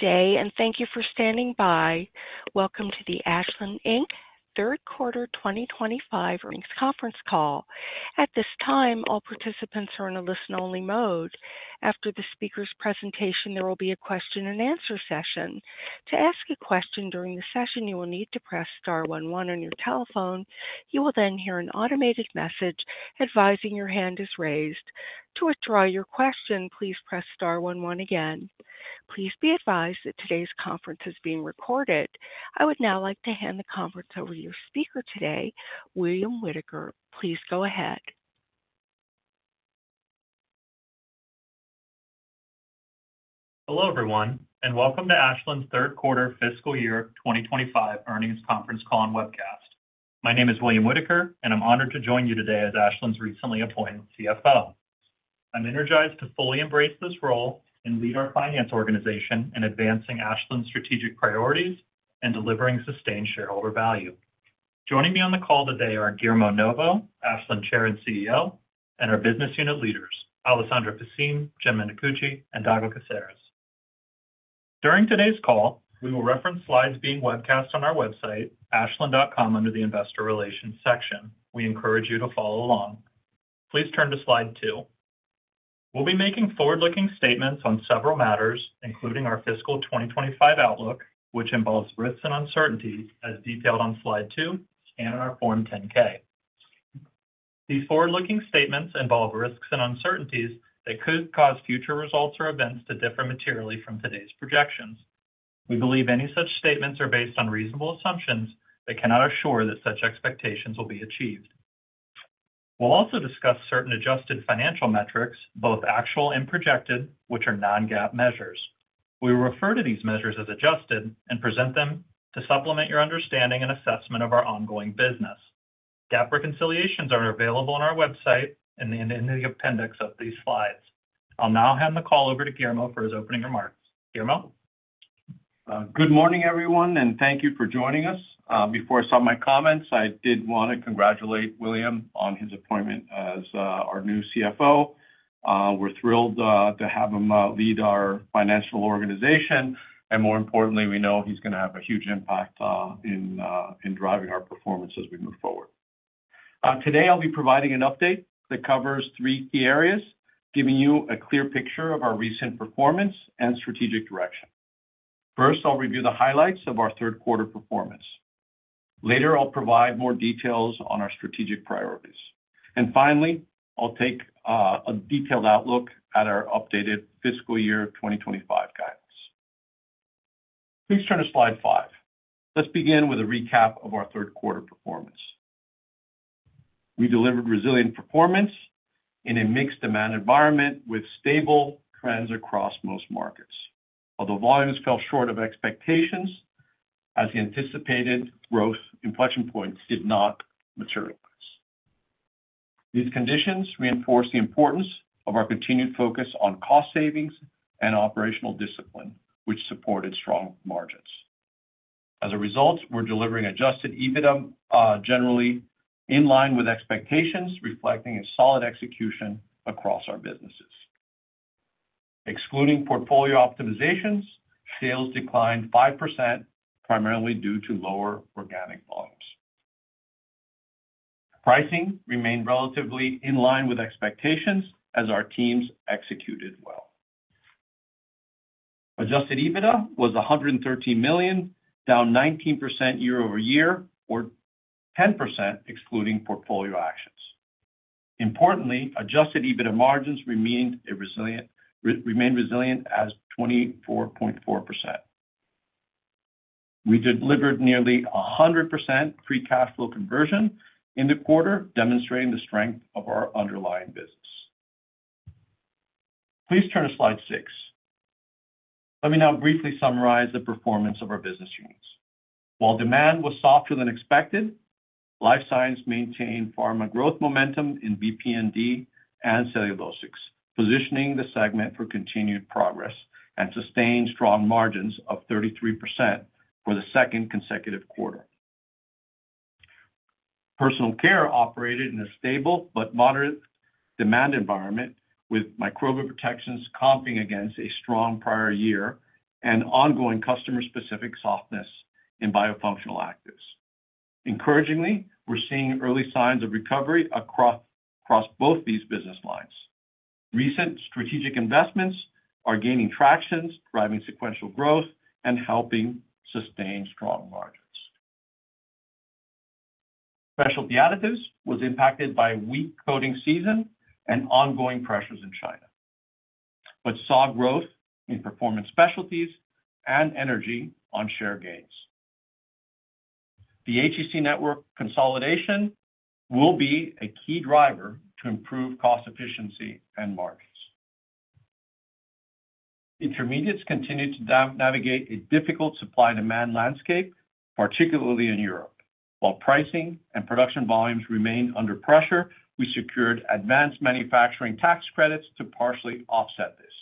Today, and thank you for standing by. Welcome to the Ashland Inc Third Quarter 2025 Earnings Conference Call. At this time, all participants are in a listen-only mode. After the speaker's presentation, there will be a question and answer session. To ask a question during the session, you will need to press star one one on your telephone. You will then hear an automated message advising your hand is raised. To withdraw your question, please press star one one again. Please be advised that today's conference is being recorded. I would now like to hand the conference over to your speaker today, William Whitaker. Please go ahead. Hello, everyone, and welcome to Ashland's Third Quarter Fiscal Year 2025 Earnings Conference Call and webcast. My name is William Whitaker, and I'm honored to join you today as Ashland's recently appointed CFO. I'm energized to fully embrace this role and lead our finance organization in advancing Ashland's strategic priorities and delivering sustained shareholder value. Joining me on the call today are Guillermo Novo, Ashland Chair and CEO, and our business unit leaders, Alessandra Faccin, Jim Minicucci, and Dago Caceres. During today's call, we will reference slides being webcast on our website, ashland.com, under the investor relations section. We encourage you to follow along. Please turn to slide two. We'll be making forward-looking statements on several matters, including our fiscal 2025 outlook, which involves risks and uncertainties as detailed on slide two and in our Form 10-K. These forward-looking statements involve risks and uncertainties that could cause future results or events to differ materially from today's projections. We believe any such statements are based on reasonable assumptions but cannot assure that such expectations will be achieved. We'll also discuss certain adjusted financial metrics, both actual and projected, which are non-GAAP measures. We will refer to these measures as adjusted and present them to supplement your understanding and assessment of our ongoing business. GAAP reconciliations are available on our website and in the appendix of these slides. I'll now hand the call over to Guillermo for his opening remarks. Guillermo? Good morning, everyone, and thank you for joining us. Before I start my comments, I did want to congratulate William on his appointment as our new CFO. We're thrilled to have him lead our financial organization, and more importantly, we know he's going to have a huge impact in driving our performance as we move forward. Today, I'll be providing an update that covers three key areas, giving you a clear picture of our recent performance and strategic direction. First, I'll review the highlights of our third quarter performance. Later, I'll provide more details on our strategic priorities. Finally, I'll take a detailed outlook at our updated fiscal year 2025 guidance. Please turn to slide five. Let's begin with a recap of our third quarter performance. We delivered resilient performance in a mixed demand environment with stable trends across most markets. Although volumes fell short of expectations, as anticipated, growth inflection points did not materialize. These conditions reinforce the importance of our continued focus on cost savings and operational discipline, which supported strong margins. As a result, we're delivering adjusted EBITDA generally in line with expectations, reflecting a solid execution across our businesses. Excluding portfolio optimizations, sales declined 5%, primarily due to lower organic volumes. Pricing remained relatively in line with expectations, as our teams executed well. Adjusted EBITDA was $113 million, down 19% year-over-year, or 10% excluding portfolio actions. Importantly, adjusted EBITDA margins remained resilient at 24.4%. We delivered nearly 100% free cash flow conversion in the quarter, demonstrating the strength of our underlying business. Please turn to slide six. Let me now briefly summarize the performance of our business units. While demand was softer than expected, Life Sciences maintained pharma growth momentum in VP&D and cellulosics, positioning the segment for continued progress and sustained strong margins of 33% for the second consecutive quarter. Personal Care operated in a stable but moderate demand environment, with microbial protections comping against a strong prior year and ongoing customer-specific softness in biofunctional actives. Encouragingly, we're seeing early signs of recovery across both these business lines. Recent strategic investments are gaining traction, driving sequential growth, and helping sustain strong margins. Specialty Additives were impacted by a weak coating season and ongoing pressures in China, but saw growth in Performance Specialties and Energy on share gains. The HEC network consolidation will be a key driver to improve cost efficiency and margins. Intermediates continue to navigate a difficult supply-demand landscape, particularly in Europe. While pricing and production volumes remained under pressure, we secured advanced manufacturing tax credits to partially offset this.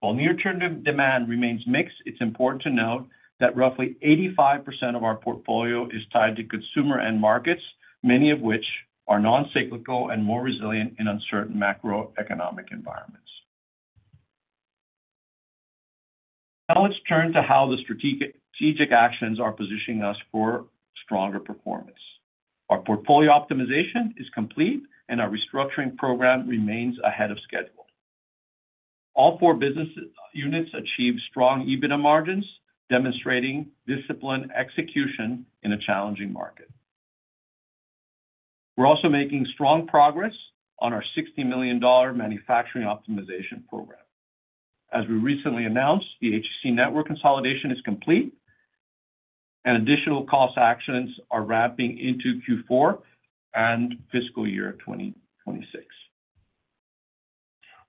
While near-term demand remains mixed, it's important to note that roughly 85% of our portfolio is tied to consumer end markets, many of which are non-cyclical and more resilient in uncertain macroeconomic environments. Now let's turn to how the strategic actions are positioning us for stronger performance. Our portfolio optimization is complete, and our restructuring program remains ahead of schedule. All four business units achieved strong EBITDA margins, demonstrating disciplined execution in a challenging market. We're also making strong progress on our $60 million manufacturing optimization program. As we recently announced, the HEC network consolidation is complete, and additional cost actions are ramping into Q4 and fiscal year 2026.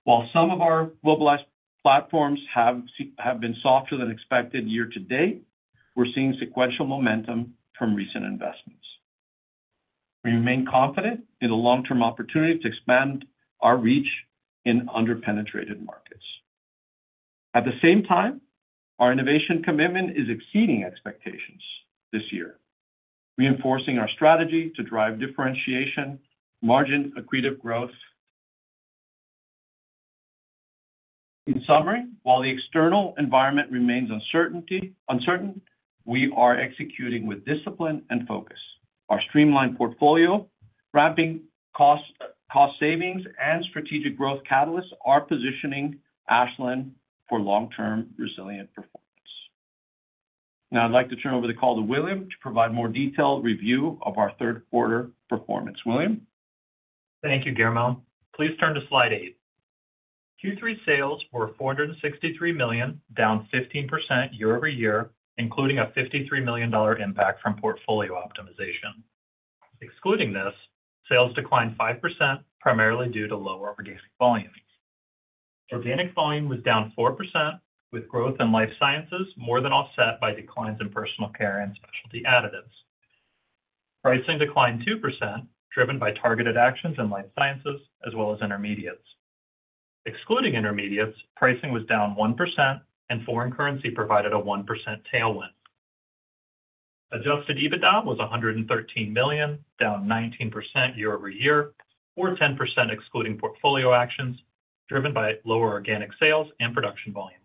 While some of our globalized platforms have been softer than expected year to date, we're seeing sequential momentum from recent investments. We remain confident in the long-term opportunity to expand our reach in underpenetrated markets. At the same time, our innovation commitment is exceeding expectations this year, reinforcing our strategy to drive differentiation, margin accretive growth. In summary, while the external environment remains uncertain, we are executing with discipline and focus. Our streamlined portfolio, ramping cost savings, and strategic growth catalysts are positioning Ashland for long-term resilient performance. Now I'd like to turn over the call to William to provide a more detailed review of our third quarter performance. William? Thank you, Guillermo. Please turn to slide eight. Q3 sales were $463 million, down 15% year-over-year, including a $53 million impact from portfolio optimization. Excluding this, sales declined 5%, primarily due to lower organic volume. Organic volume was down 4%, with growth in Life Sciences more than offset by declines in Personal Care and Specialty Additives. Pricing declined 2%, driven by targeted actions in Life Sciences as well as Intermediates. Excluding Intermediates, pricing was down 1%, and foreign currency provided a 1% tailwind. Adjusted EBITDA was $113 million, down 19% year-over-year, or 10% excluding portfolio actions, driven by lower organic sales and production volume.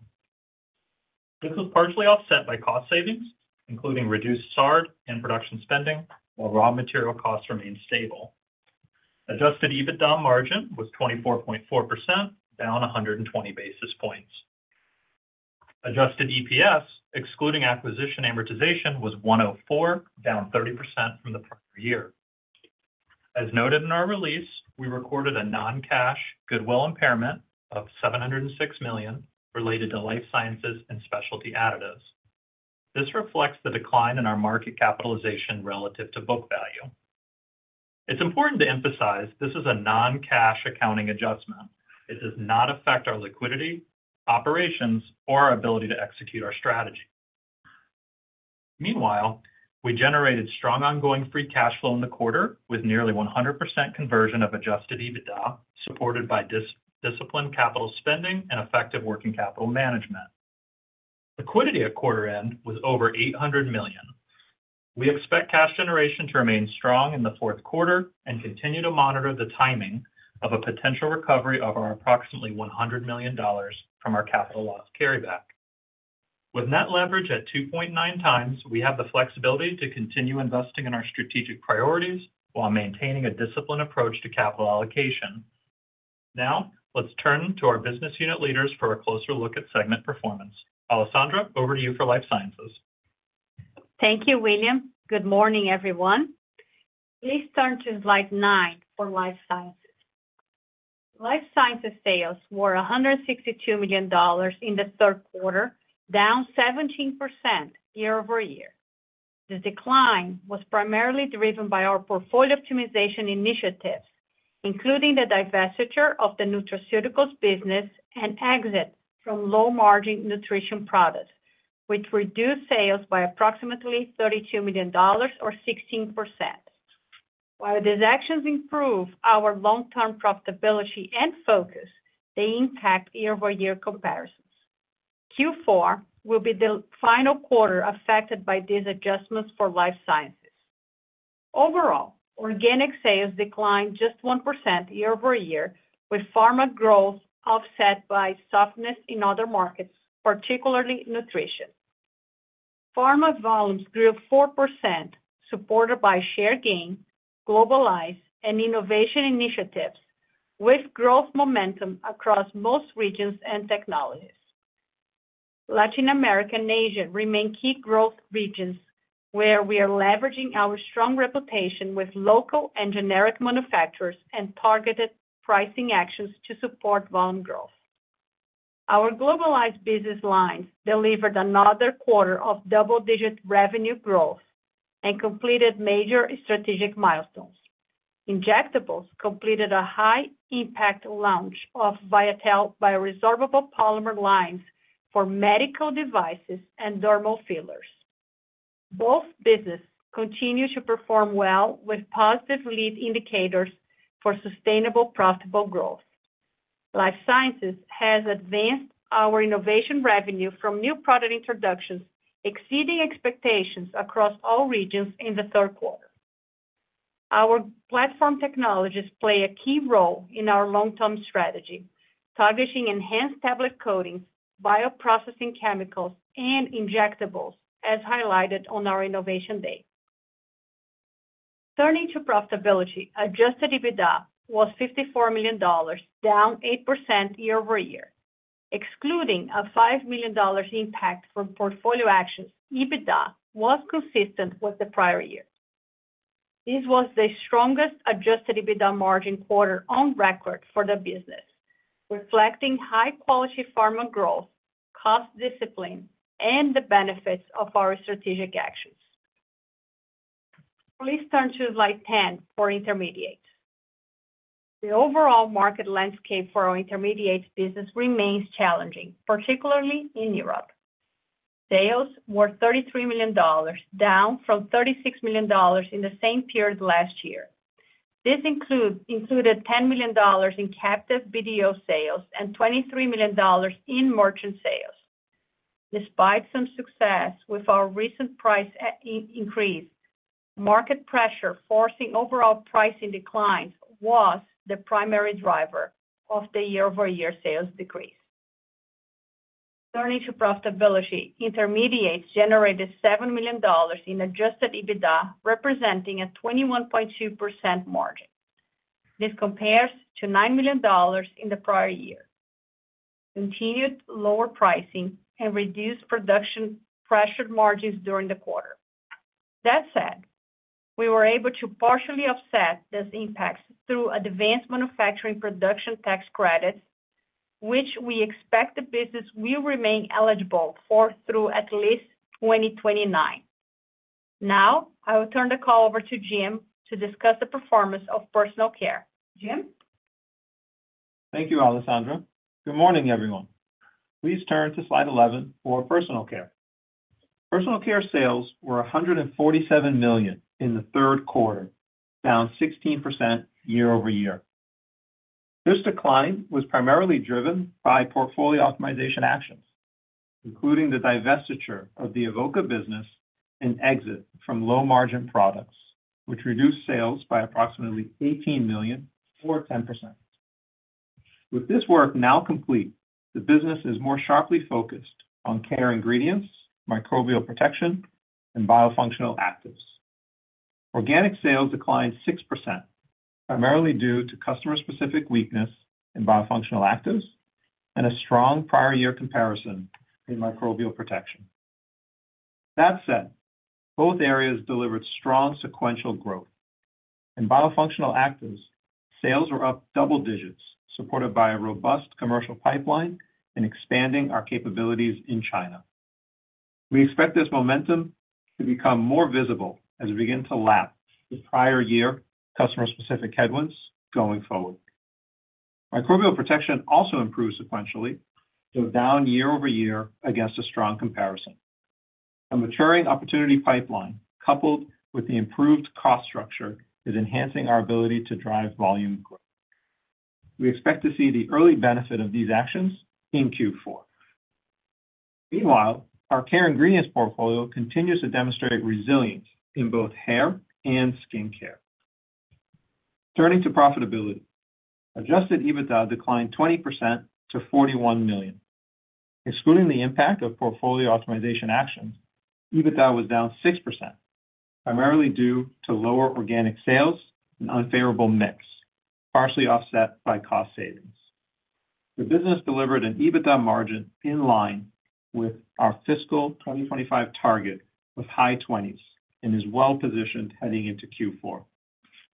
This was partially offset by cost savings, including reduced SARD and production spending, while raw material costs remained stable. Adjusted EBITDA margin was 24.4%, down 120 basis points. Adjusted EPS, excluding acquisition amortization, was $1.04, down 30% from the prior year. As noted in our release, we recorded a non-cash goodwill impairment of $706 million related to Life Sciences and Specialty Additives. This reflects the decline in our market capitalization relative to book value. It's important to emphasize this is a non-cash accounting adjustment. It does not affect our liquidity, operations, or our ability to execute our strategy. Meanwhile, we generated strong ongoing free cash flow in the quarter with nearly 100% conversion of adjusted EBITDA, supported by disciplined capital spending and effective working capital management. Liquidity at quarter end was over $800 million. We expect cash generation to remain strong in the fourth quarter and continue to monitor the timing of a potential recovery of our approximately $100 million from our capital loss carryback. With net leverage at 2.9x, we have the flexibility to continue investing in our strategic priorities while maintaining a disciplined approach to capital allocation. Now let's turn to our business unit leaders for a closer look at segment performance. Alessandra, over to you for Life Sciences. Thank you, William. Good morning, everyone. Please turn to slide nine for Life Sciences. Life Sciences sales were $162 million in the third quarter, down 17% year-over-year. The decline was primarily driven by our portfolio optimization initiatives, including the divestiture of the nutraceuticals business and exit from low-margin nutrition products, which reduced sales by approximately $32 million or 16%. While these actions improve our long-term profitability and focus, they impact year-over-year comparisons. Q4 will be the final quarter affected by these adjustments for Life Sciences. Overall, organic sales declined just 1% year-over-year, with Pharma growth offset by softness in other markets, particularly nutrition. Pharma volumes grew 4%, supported by share gain, globalized, and innovation initiatives, with growth momentum across most regions and technologies. Latin America and Asia remain key growth regions, where we are leveraging our strong reputation with local and generic manufacturers and targeted pricing actions to support volume growth. Our globalized business lines delivered another quarter of double-digit revenue growth and completed major strategic milestones. Injectables completed a high-impact launch of Viatel bioresorbable polymer lines for medical devices and dermal fillers. Both businesses continue to perform well, with positive lead indicators for sustainable profitable growth. Life Sciences has advanced our innovation revenue from new product introductions, exceeding expectations across all regions in the third quarter. Our platform technologies play a key role in our long-term strategy, targeting enhanced tablet coatings, bioprocessing chemicals, and injectables, as highlighted on our innovation data. Turning to profitability, adjusted EBITDA was $54 million, down 8% year-over-year. Excluding a $5 million impact from portfolio actions, EBITDA was consistent with the prior year. This was the strongest adjusted EBITDA margin quarter on record for the business, reflecting high-quality pharma growth, cost discipline, and the benefits of our strategic actions. Please turn to slide 10 for Intermediates. The overall market landscape for our Intermediates business remains challenging, particularly in Europe. Sales were $33 million, down from $36 million in the same period last year. This included $10 million in captive BDO sales and $23 million in merchant sales. Despite some success with our recent price increase, market pressure forcing overall pricing declines was the primary driver of the year-over-year sales decrease. Turning to profitability, Intermediates generated $7 million in adjusted EBITDA, representing a 21.2% margin. This compares to $9 million in the prior year. Continued lower pricing and reduced production pressured margins during the quarter. That said, we were able to partially offset those impacts through advanced manufacturing production tax credits, which we expect the business will remain eligible for through at least 2029. Now, I will turn the call over to Jim to discuss the performance of Personal Care. Jim? Thank you, Alessandra. Good morning, everyone. Please turn to slide 11 for Personal Care. Personal Care sales were $147 million in the third quarter, down 16% year-over-year. This decline was primarily driven by portfolio optimization actions, including the divestiture of the Avoca business and exit from low-margin products, which reduced sales by approximately $18 million or 10%. With this work now complete, the business is more sharply focused on care ingredients, microbial protection, and biofunctional actives. Organic sales declined 6%, primarily due to customer-specific weakness in biofunctional actives and a strong prior-year comparison in microbial protection. That said, both areas delivered strong sequential growth. In biofunctional actives, sales were up double digits, supported by a robust commercial pipeline and expanding our capabilities in China. We expect this momentum to become more visible as we begin to lap the prior-year customer-specific headwinds going forward. Microbial protection also improved sequentially, though down year-over-year against a strong comparison. A maturing opportunity pipeline, coupled with the improved cost structure, is enhancing our ability to drive volume growth. We expect to see the early benefit of these actions in Q4. Meanwhile, our care ingredients portfolio continues to demonstrate resilience in both hair and skin care. Turning to profitability, adjusted EBITDA declined 20% to $41 million. Excluding the impact of portfolio optimization actions, EBITDA was down 6%, primarily due to lower organic sales and unfavorable mix, partially offset by cost savings. The business delivered an EBITDA margin in line with our fiscal 2025 target of high 20s and is well-positioned heading into Q4.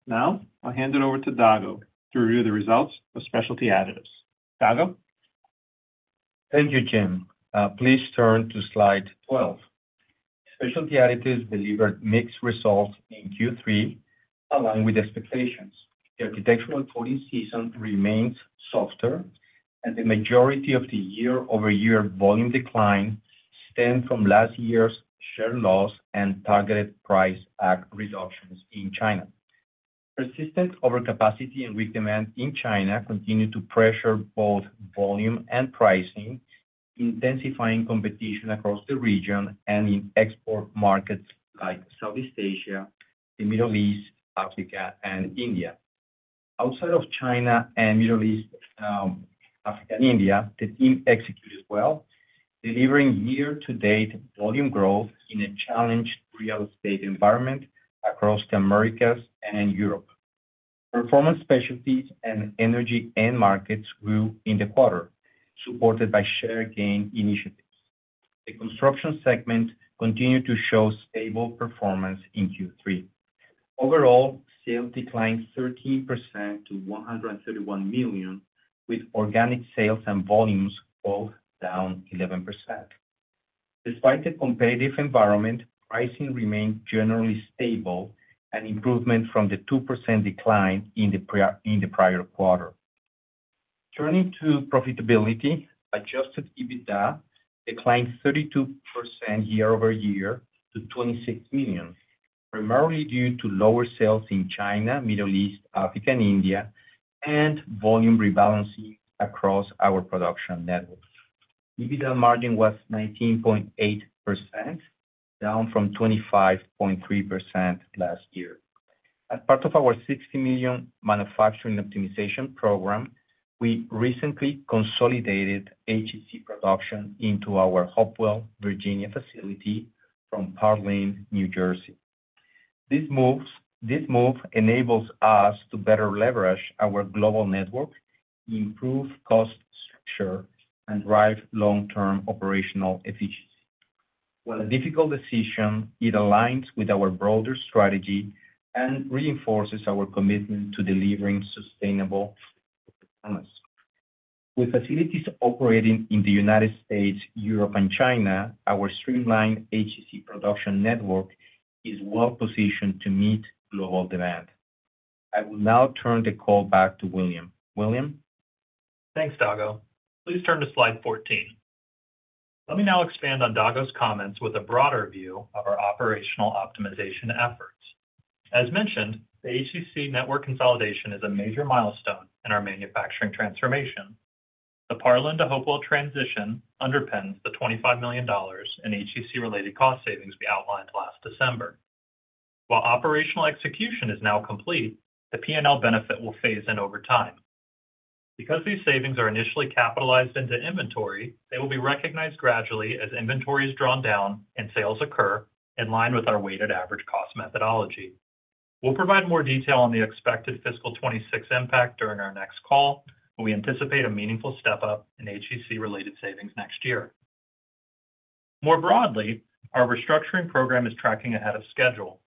Now, I'll hand it over to Dago to review the results of Specialty Additives. Dago? Thank you, Jim. Please turn to slide 12. Specialty Additives delivered mixed results in Q3, aligned with expectations. The architectural coating season remains softer, and the majority of the year-over-year volume decline stemmed from last year's share loss and targeted price act reductions in China. Persistent overcapacity and weak demand in China continue to pressure both volume and pricing, intensifying competition across the region and in export markets like Southeast Asia, the Middle East, Africa, and India. Outside of China and the Middle East, Africa, and India, the team executed well, delivering year-to-date volume growth in a challenged real estate environment across the Americas and Europe. Performance Specialties and energy end markets grew in the quarter, supported by share gain initiatives. The construction segment continued to show stable performance in Q3. Overall, sales declined 13% to $131 million, with organic sales and volumes both down 11%. Despite the competitive environment, pricing remained generally stable and improved from the 2% decline in the prior quarter. Turning to profitability, adjusted EBITDA declined 32% year-over-year to $26 million, primarily due to lower sales in China, Middle East, Africa, and India, and volume rebalancing across our production network. EBITDA margin was 19.8%, down from 25.3% last year. As part of our $60 million manufacturing optimization program, we recently consolidated HEC production into our Hopewell, Virginia facility from Parlin, New Jersey. This move enables us to better leverage our global network, improve cost structure, and drive long-term operational efficiency. While a difficult decision, it aligns with our broader strategy and reinforces our commitment to delivering sustainable performance. With facilities operating in the United States, Europe, and China, our streamlined HEC production network is well-positioned to meet global demand. I will now turn the call back to William. William? Thanks, Dago. Please turn to slide 14. Let me now expand on Dago's comments with a broader view of our operational optimization efforts. As mentioned, the HEC network consolidation is a major milestone in our manufacturing transformation. The Parlin to Hopewell transition underpins the $25 million in HEC-related cost savings we outlined last December. While operational execution is now complete, the P&L benefit will phase in over time. Because these savings are initially capitalized into inventory, they will be recognized gradually as inventory is drawn down and sales occur in line with our weighted average cost methodology. We'll provide more detail on the expected fiscal 2026 impact during our next call, but we anticipate a meaningful step up in HEC-related savings next year. More broadly, our restructuring program is tracking ahead of schedule.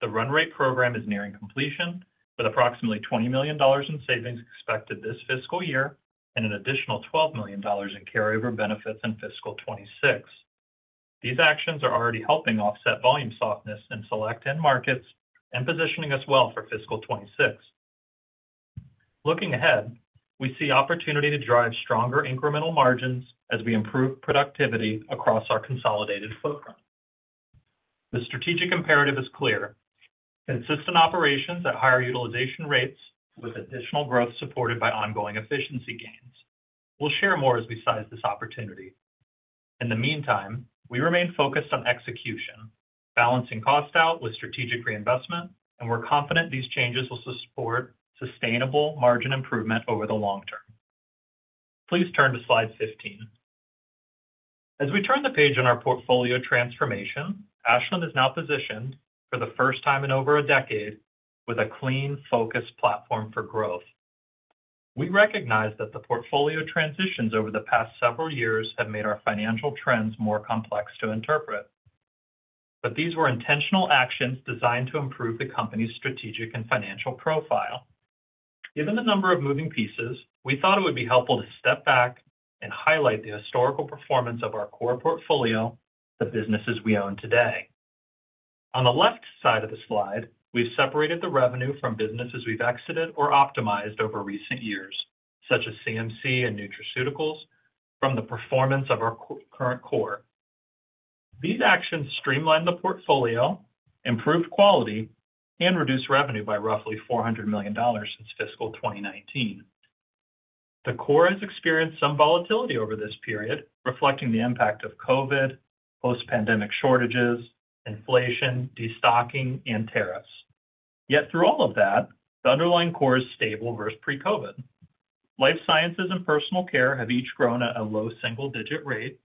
The run rate program is nearing completion, with approximately $20 million in savings expected this fiscal year and an additional $12 million in carryover benefits in fiscal 2026. These actions are already helping offset volume softness in select end markets and positioning us well for fiscal 2026. Looking ahead, we see opportunity to drive stronger incremental margins as we improve productivity across our consolidated footprint. The strategic imperative is clear: consistent operations at higher utilization rates with additional growth supported by ongoing efficiency gains. We'll share more as we size this opportunity. In the meantime, we remain focused on execution, balancing cost out with strategic reinvestment, and we're confident these changes will support sustainable margin improvement over the long term. Please turn to slide 15. As we turn the page on our portfolio transformation, Ashland is now positioned, for the first time in over a decade, with a clean, focused platform for growth. We recognize that the portfolio transitions over the past several years have made our financial trends more complex to interpret. These were intentional actions designed to improve the company's strategic and financial profile. Given the number of moving pieces, we thought it would be helpful to step back and highlight the historical performance of our core portfolio, the businesses we own today. On the left side of the slide, we've separated the revenue from businesses we've exited or optimized over recent years, such as CMC and Nutraceuticals, from the performance of our current core. These actions streamlined the portfolio, improved quality, and reduced revenue by roughly $400 million since fiscal 2019. The core has experienced some volatility over this period, reflecting the impact of COVID, post-pandemic shortages, inflation, destocking, and tariffs. Yet through all of that, the underlying core is stable versus pre-COVID. Life Sciences and Personal Care have each grown at a low single-digit rate.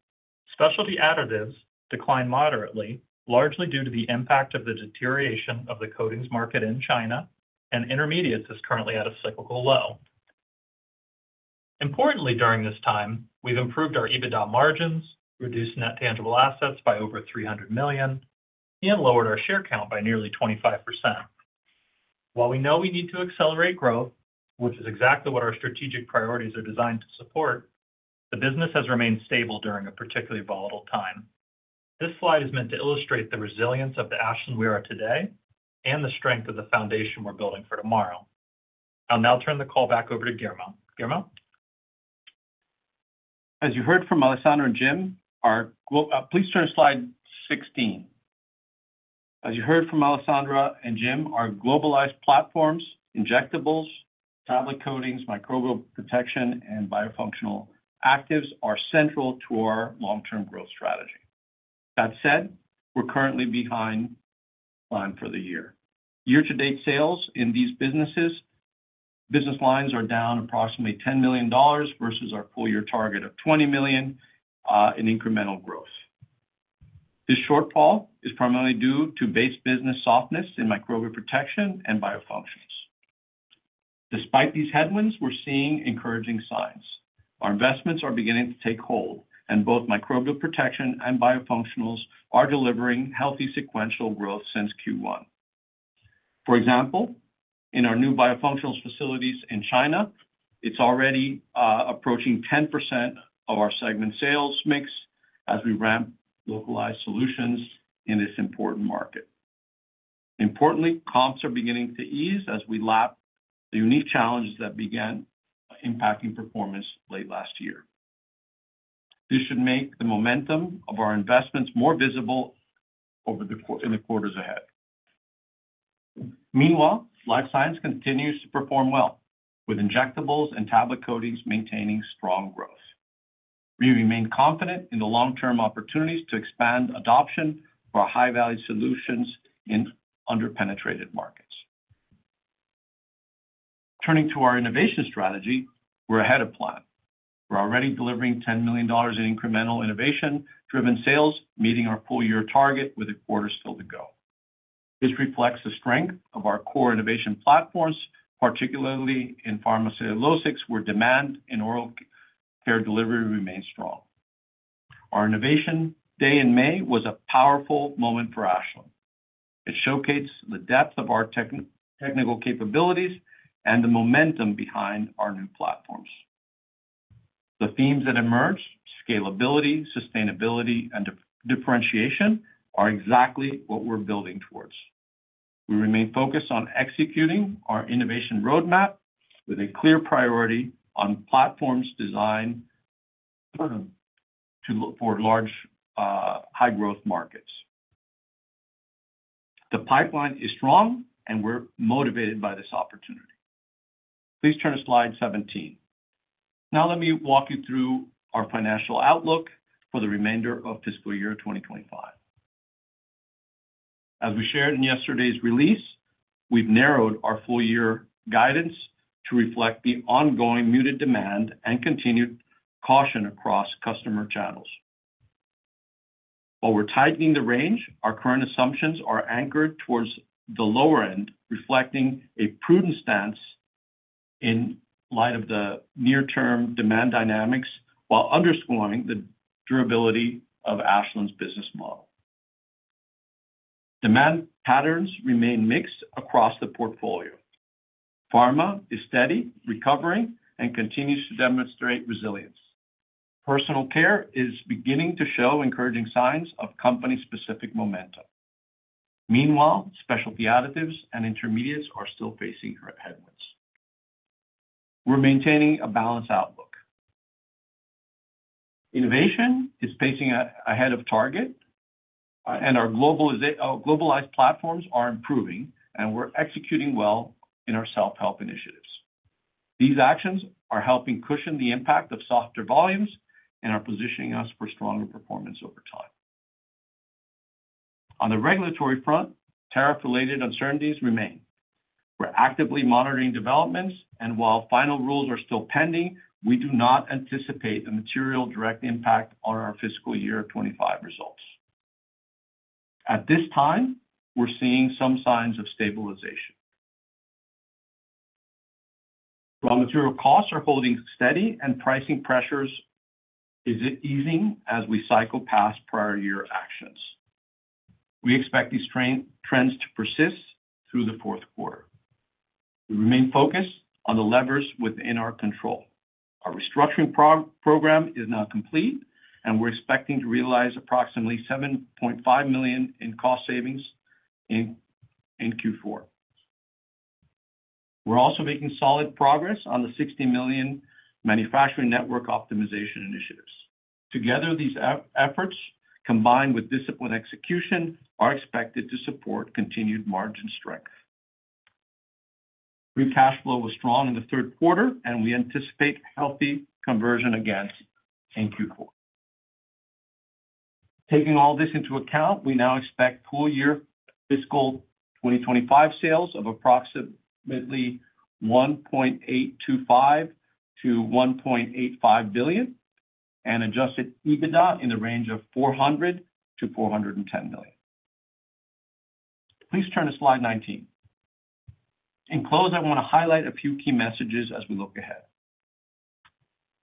Specialty Additives declined moderately, largely due to the impact of the deterioration of the coatings market in China, and Intermediates is currently at a cyclical low. Importantly, during this time, we've improved our adjusted EBITDA margins, reduced net tangible assets by over $300 million, and lowered our share count by nearly 25%. While we know we need to accelerate growth, which is exactly what our strategic priorities are designed to support, the business has remained stable during a particularly volatile time. This slide is meant to illustrate the resilience of the Ashland we are today and the strength of the foundation we're building for tomorrow. I'll now turn the call back over to Guillermo. Guillermo? As you heard from Alessandra and Jim, our globalized platforms, injectables, tablet coatings, microbial protection, and biofunctional actives are central to our long-term growth strategy. Please turn to slide 16. That said, we're currently behind line for the year. Year-to-date sales in these business lines are down approximately $10 million versus our full-year target of $20 million in incremental growth. This shortfall is primarily due to base business softness in microbial protection and biofunctionals. Despite these headwinds, we're seeing encouraging signs. Our investments are beginning to take hold, and both microbial protection and biofunctionals are delivering healthy sequential growth since Q1. For example, in our new biofunctionals facilities in China, it's already approaching 10% of our segment sales mix as we ramp localized solutions in this important market. Importantly, comps are beginning to ease as we lap the unique challenges that began impacting performance late last year. This should make the momentum of our investments more visible in the quarters ahead. Meanwhile, Life Sciences continues to perform well, with injectables and tablet coatings maintaining strong growth. We remain confident in the long-term opportunities to expand adoption for high-value solutions in underpenetrated markets. Turning to our innovation strategy, we're ahead of plan. We're already delivering $10 million in incremental innovation-driven sales, meeting our full-year target with a quarter still to go. This reflects the strength of our core innovation platforms, particularly in pharmaceuticals, where demand in oral care delivery remains strong. Our innovation day in May was a powerful moment for Ashland. It showcased the depth of our technical capabilities and the momentum behind our new platforms. The themes that emerged, scalability, sustainability, and differentiation, are exactly what we're building towards. We remain focused on executing our innovation roadmap with a clear priority on platforms designed for large, high-growth markets. The pipeline is strong, and we're motivated by this opportunity. Please turn to slide 17. Now let me walk you through our financial outlook for the remainder of fiscal year 2025. As we shared in yesterday's release, we've narrowed our full-year guidance to reflect the ongoing muted demand and continued caution across customer channels. While we're tightening the range, our current assumptions are anchored towards the lower end, reflecting a prudent stance in light of the near-term demand dynamics while underscoring the durability of Ashland's business model. Demand patterns remain mixed across the portfolio. Pharma is steady, recovering, and continues to demonstrate resilience. Personal Care is beginning to show encouraging signs of company-specific momentum. Meanwhile, Specialty Additives and Intermediates are still facing headwinds. We're maintaining a balanced outlook. Innovation is pacing ahead of target, and our globalized platforms are improving, and we're executing well in our self-help initiatives. These actions are helping cushion the impact of softer volumes and are positioning us for stronger performance over time. On the regulatory front, tariff-related uncertainties remain. We're actively monitoring developments, and while final rules are still pending, we do not anticipate a material direct impact on our fiscal year 2025 results. At this time, we're seeing some signs of stabilization. Raw material costs are holding steady, and pricing pressures are easing as we cycle past prior-year actions. We expect these trends to persist through the fourth quarter. We remain focused on the levers within our control. Our restructuring program is now complete, and we're expecting to realize approximately $7.5 million in cost savings in Q4. We're also making solid progress on the $60 million manufacturing network optimization initiatives. Together, these efforts, combined with disciplined execution, are expected to support continued margin strength. Free cash flow was strong in the third quarter, and we anticipate healthy conversion again in Q4. Taking all this into account, we now expect full-year fiscal 2025 sales of approximately $1.825 billion-$1.85 billion and adjusted EBITDA in the range of $400 million-$410 million. Please turn to slide 19. In close, I want to highlight a few key messages as we look ahead.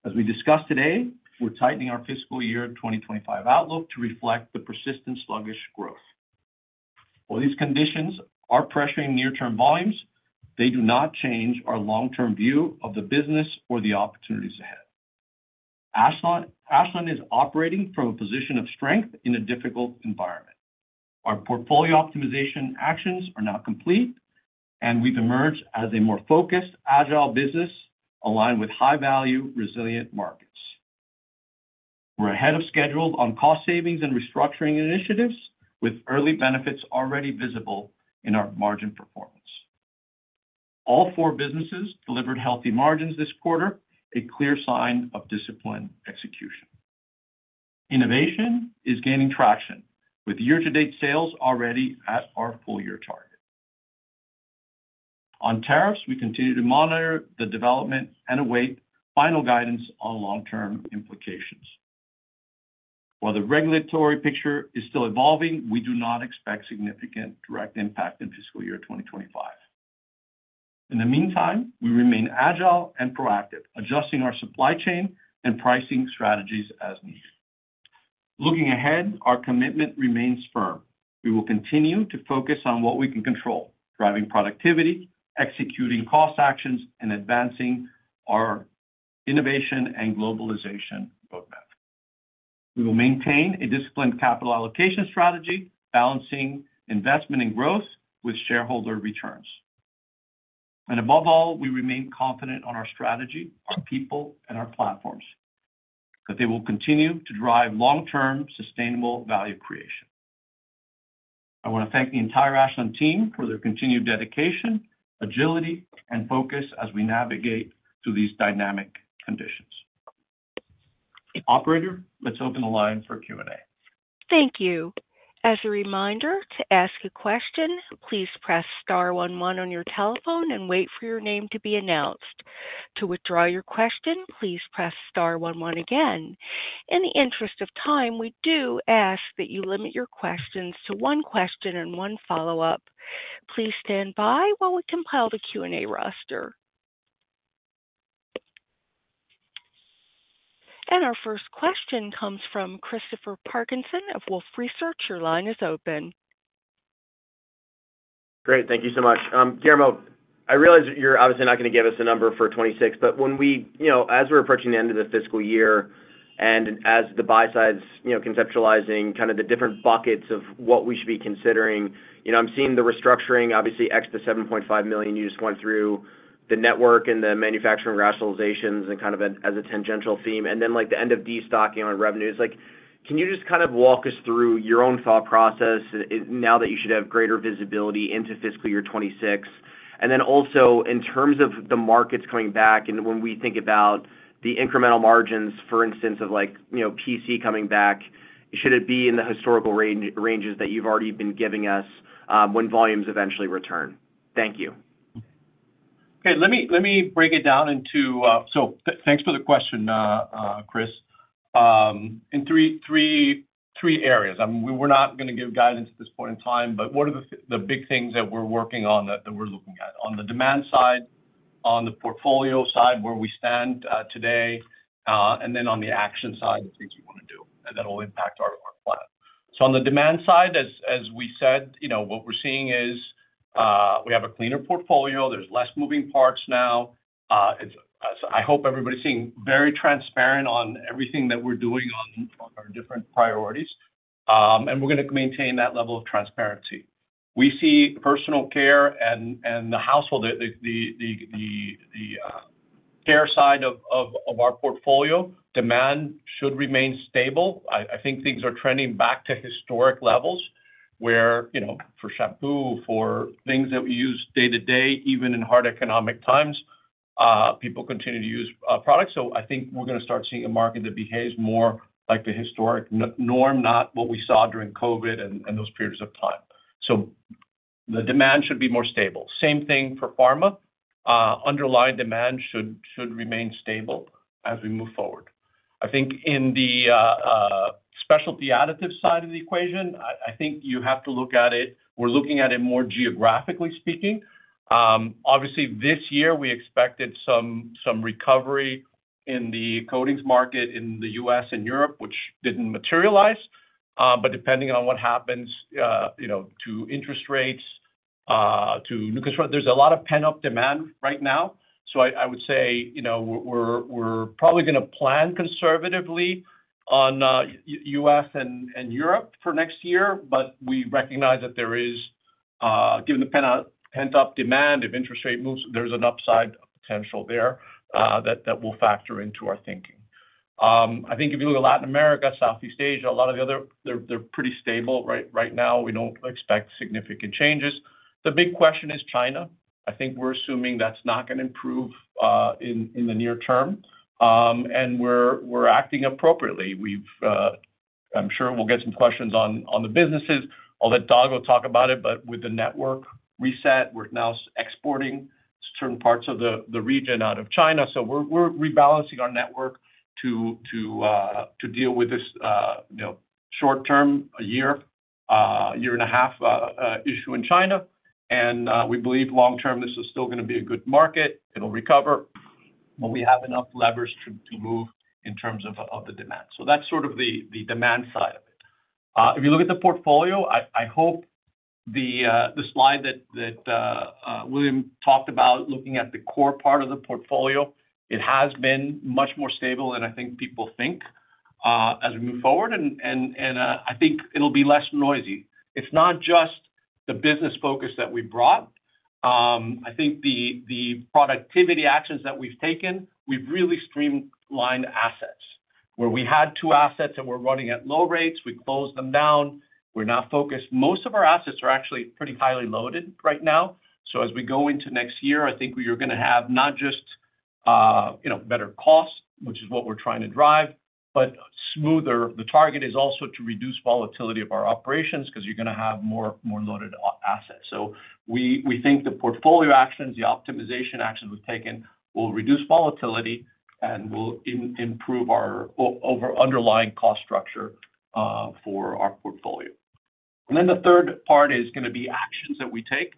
As we discussed today, we're tightening our fiscal year 2025 outlook to reflect the persistent sluggish growth. While these conditions are pressuring near-term volumes, they do not change our long-term view of the business or the opportunities ahead. Ashland is operating from a position of strength in a difficult environment. Our portfolio optimization actions are now complete, and we've emerged as a more focused, agile business aligned with high-value, resilient markets. We're ahead of schedule on cost savings and restructuring initiatives, with early benefits already visible in our margin performance. All four businesses delivered healthy margins this quarter, a clear sign of disciplined execution. Innovation is gaining traction, with year-to-date sales already at our full-year target. On tariffs, we continue to monitor the development and await final guidance on long-term implications. While the regulatory picture is still evolving, we do not expect significant direct impact in fiscal year 2025. In the meantime, we remain agile and proactive, adjusting our supply chain and pricing strategies as needed. Looking ahead, our commitment remains firm. We will continue to focus on what we can control, driving productivity, executing cost actions, and advancing our innovation and globalization roadmap. We will maintain a disciplined capital allocation strategy, balancing investment and growth with shareholder returns. Above all, we remain confident in our strategy, our people, and our platforms, that they will continue to drive long-term, sustainable value creation. I want to thank the entire Ashland team for their continued dedication, agility, and focus as we navigate through these dynamic conditions. Operator, let's open the line for Q&A. Thank you. As a reminder, to ask a question, please press star one one on your telephone and wait for your name to be announced. To withdraw your question, please press star one one again. In the interest of time, we do ask that you limit your questions to one question and one follow-up. Please stand by while we compile the Q&A roster. Our first question comes from Christopher Parkinson of Wolfe Research. Your line is open. Great. Thank you so much. Guillermo, I realize that you're obviously not going to give us a number for 2026, but as we're approaching the end of the fiscal year and as the buy side is conceptualizing kind of the different buckets of what we should be considering, I'm seeing the restructuring, obviously, [X] to $7.5 million you just went through, the network and the manufacturing rationalizations and kind of as a tangential theme, and then the end of destocking on revenues. Can you just walk us through your own thought process now that you should have greater visibility into fiscal year 2026? Also, in terms of the markets coming back and when we think about the incremental margins, for instance, of PC coming back, should it be in the historical ranges that you've already been giving us when volumes eventually return? Thank you. Okay. Let me break it down into three areas. Thanks for the question, Chris. We're not going to give guidance at this point in time, but what are the big things that we're working on that we're looking at? On the demand side, on the portfolio side where we stand today, and then on the action side of things we want to do, and that will impact our plan. On the demand side, as we said, what we're seeing is, we have a cleaner portfolio. There's less moving parts now. I hope everybody's seeing very transparent on everything that we're doing on our different priorities, and we're going to maintain that level of transparency. We see Personal Care and the household, the care side of our portfolio, demand should remain stable. I think things are trending back to historic levels where, for shampoo, for things that we use day-to-day, even in hard economic times, people continue to use products. I think we're going to start seeing a market that behaves more like the historic norm, not what we saw during COVID and those periods of time. The demand should be more stable. Same thing for Pharma. Underlying demand should remain stable as we move forward. I think in the Specialty Additives side of the equation, I think you have to look at it. We're looking at it more geographically speaking. Obviously, this year, we expected some recovery in the coatings market in the U.S. and Europe, which didn't materialize. Depending on what happens to interest rates, to new construction, there's a lot of pent-up demand right now. I would say we're probably going to plan conservatively on U.S. and Europe for next year, but we recognize that there is, given the pent-up demand, if interest rate moves, there's an upside potential there that will factor into our thinking. If you look at Latin America, Southeast Asia, a lot of the other, they're pretty stable right now. We don't expect significant changes. The big question is China. I think we're assuming that's not going to improve in the near term, and we're acting appropriately. I'm sure we'll get some questions on the businesses. I'll let Dago talk about it, but with the network reset, we're now exporting certain parts of the region out of China. We're rebalancing our network to deal with this short-term, a year, a year and a half, issue in China. We believe long-term, this is still going to be a good market. It'll recover, but we have enough levers to move in terms of the demand. That's the demand side of it. If you look at the portfolio, I hope the slide that William talked about, looking at the core part of the portfolio, it has been much more stable than I think people think as we move forward. I think it'll be less noisy. It's not just the business focus that we brought. I think the productivity actions that we've taken, we've really streamlined assets. Where we had two assets that were running at low rates, we closed them down. We're now focused. Most of our assets are actually pretty highly loaded right now. As we go into next year, I think we are going to have not just better costs, which is what we're trying to drive, but smoother. The target is also to reduce volatility of our operations because you're going to have more loaded assets. We think the portfolio actions, the optimization actions we've taken will reduce volatility and will improve our underlying cost structure for our portfolio. The third part is going to be actions that we take.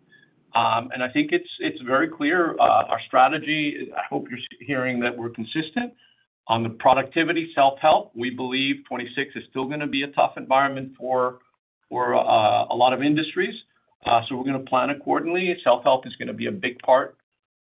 I think it's very clear, our strategy. I hope you're hearing that we're consistent on the productivity self-help. We believe 2026 is still going to be a tough environment for a lot of industries, so we're going to plan accordingly. Self-help is going to be a big part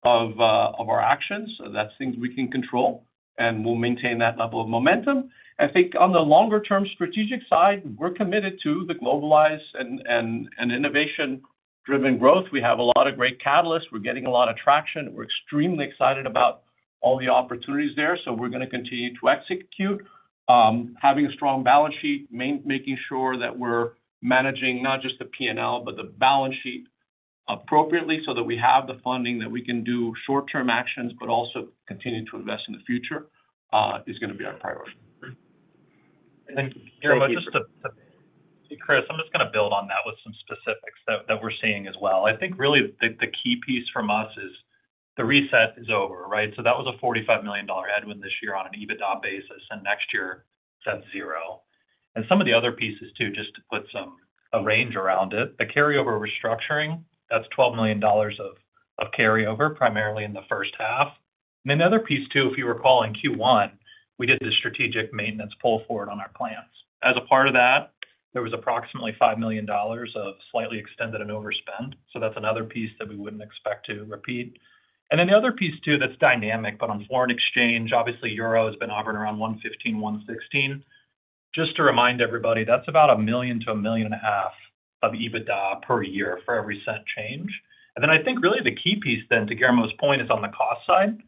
of our actions. That's things we can control, and we'll maintain that level of momentum. I think on the longer-term strategic side, we're committed to the globalized and innovation-driven growth. We have a lot of great catalysts. We're getting a lot of traction. We're extremely excited about all the opportunities there. We're going to continue to execute. Having a strong balance sheet, making sure that we're managing not just the P&L, but the balance sheet appropriately so that we have the funding that we can do short-term actions, but also continue to invest in the future, is going to be our priority. Guillermo, just to—hey, Chris, I'm going to build on that with some specifics that we're seeing as well. I think really the key piece from us is the reset is over, right? That was a $45 million headwind this year on an adjusted EBITDA basis, and next year, that's zero. Some of the other pieces, too, just to put a range around it, the carryover restructuring, that's $12 million of carryover, primarily in the first half. If you recall, in Q1, we did the strategic maintenance pull forward on our plans. As a part of that, there was approximately $5 million of slightly extended and overspent. That's another piece that we wouldn't expect to repeat. Another piece that's dynamic, on foreign exchange, obviously, euro has been hovering around $1.15, $1.16. Just to remind everybody, that's about $1 million-$1.5 million of adjusted EBITDA per year for every cent change. I think really the key piece then to Guillermo's point is on the cost side.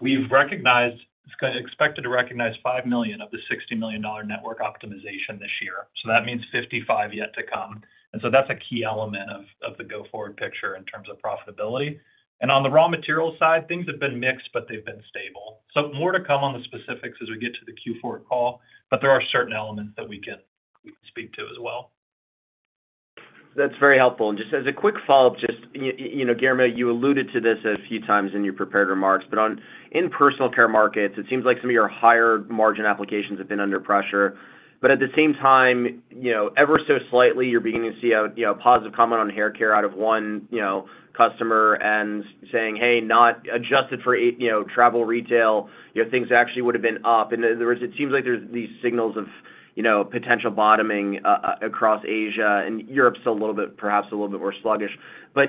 We've recognized, expected to recognize $5 million of the $60 million manufacturing network optimization this year. That means $55 million yet to come, and that's a key element of the go-forward picture in terms of profitability. On the raw materials side, things have been mixed, but they've been stable. More to come on the specifics as we get to the Q4 call, but there are certain elements that we can speak to as well. That's very helpful. Just as a quick follow-up, Guillermo, you alluded to this a few times in your prepared remarks, but in Personal Care markets, it seems like some of your higher margin applications have been under pressure. At the same time, ever so slightly, you're beginning to see a positive comment on hair care out of one customer and saying, "Hey, not adjusted for travel retail." Things actually would have been up. There was, it seems like, these signals of potential bottoming across Asia, and Europe is still a little bit, perhaps a little bit more sluggish.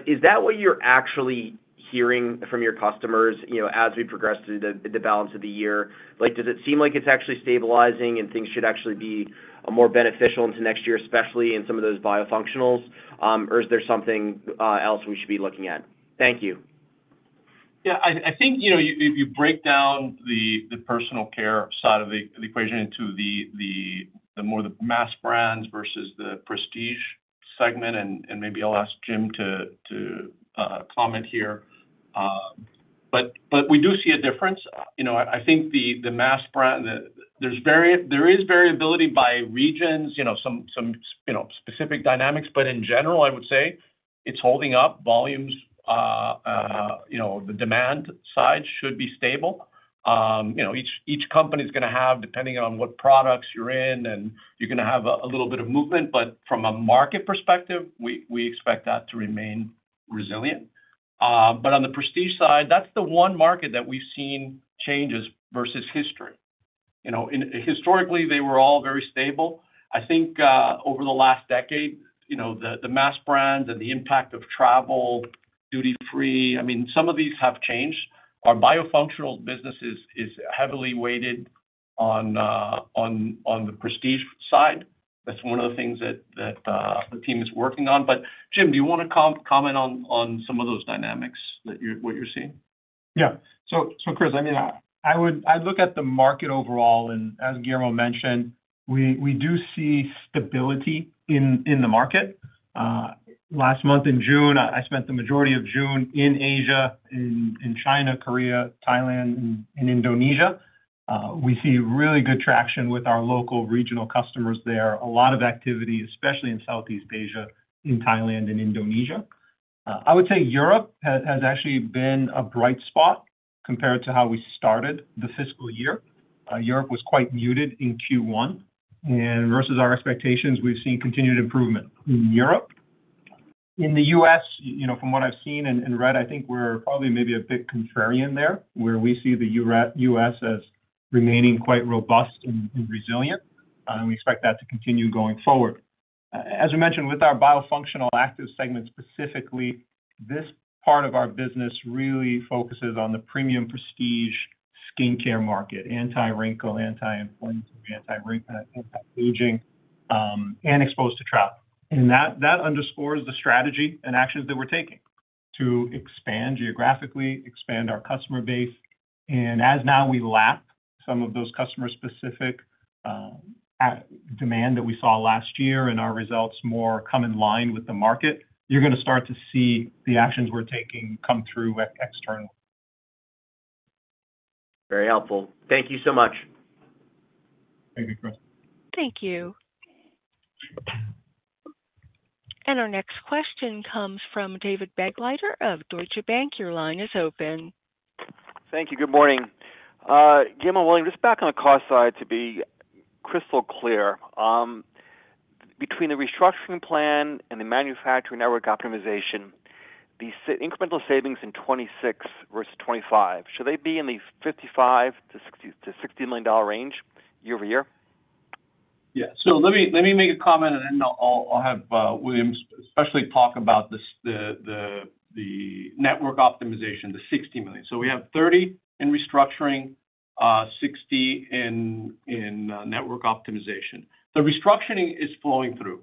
Is that what you're actually hearing from your customers as we progress through the balance of the year? Does it seem like it's actually stabilizing and things should actually be more beneficial into next year, especially in some of those biofunctional actives? Or is there something else we should be looking at? Thank you. Yeah. I think if you break down the personal care side of the equation into the more mass brands versus the prestige segment, and maybe I'll ask Jim to comment here. We do see a difference. I think the mass brand, there is variability by regions, some specific dynamics. In general, I would say it's holding up. Volumes, the demand side should be stable. Each company is going to have, depending on what products you're in, a little bit of movement. From a market perspective, we expect that to remain resilient. On the prestige side, that's the one market that we've seen changes versus history. Historically, they were all very stable. I think over the last decade, the mass brands and the impact of travel, duty-free, some of these have changed. Our biofunctional business is heavily weighted on the prestige side. That's one of the things that the team is working on. Jim, do you want to comment on some of those dynamics that you're seeing? Yeah. Chris, I mean, I would look at the market overall. As Guillermo mentioned, we do see stability in the market. Last month in June, I spent the majority of June in Asia, in China, Korea, Thailand, and Indonesia. We see really good traction with our local regional customers there. A lot of activity, especially in Southeast Asia, in Thailand, and Indonesia. I would say Europe has actually been a bright spot compared to how we started the fiscal year. Europe was quite muted in Q1, and versus our expectations, we've seen continued improvement in Europe. In the U.S., you know, from what I've seen and read, I think we're probably maybe a bit contrarian there, where we see the U.S. as remaining quite robust and resilient. We expect that to continue going forward. As we mentioned, with our biofunctional actives segment specifically, this part of our business really focuses on the premium prestige skincare market: anti-wrinkle, anti-inflammatory, anti-aging, and exposed to travel. That underscores the strategy and actions that we're taking to expand geographically, expand our customer base. As now we lap some of those customer-specific demand that we saw last year and our results more come in line with the market, you're going to start to see the actions we're taking come through externally. Very helpful. Thank you so much. Thank you, Chris. Thank you. Our next question comes from David Begleiter of Deutsche Bank. Your line is open. Thank you. Good morning. Guillermo, William, just back on the cost side, to be crystal clear, between the restructuring plan and the manufacturing network optimization, the incremental savings in 2026 versus 2025, should they be in the $55 million-$60 million range year-over-year? Yeah. Let me make a comment, and then I'll have William especially talk about the network optimization, the $60 million. We have $30 million in restructuring, $60 million in network optimization. The restructuring is flowing through.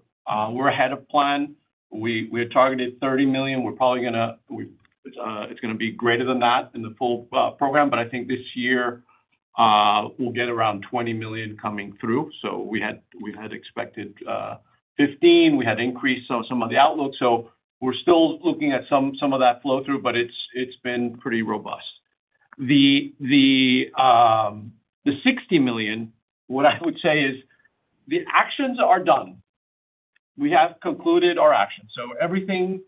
We're ahead of plan. We had targeted $30 million. It's going to be greater than that in the full program. I think this year, we'll get around $20 million coming through. We had expected $15 million. We had increased some of the outlook. We're still looking at some of that flow-through, but it's been pretty robust. The $60 million, what I would say is the actions are done. We have concluded our actions. Everything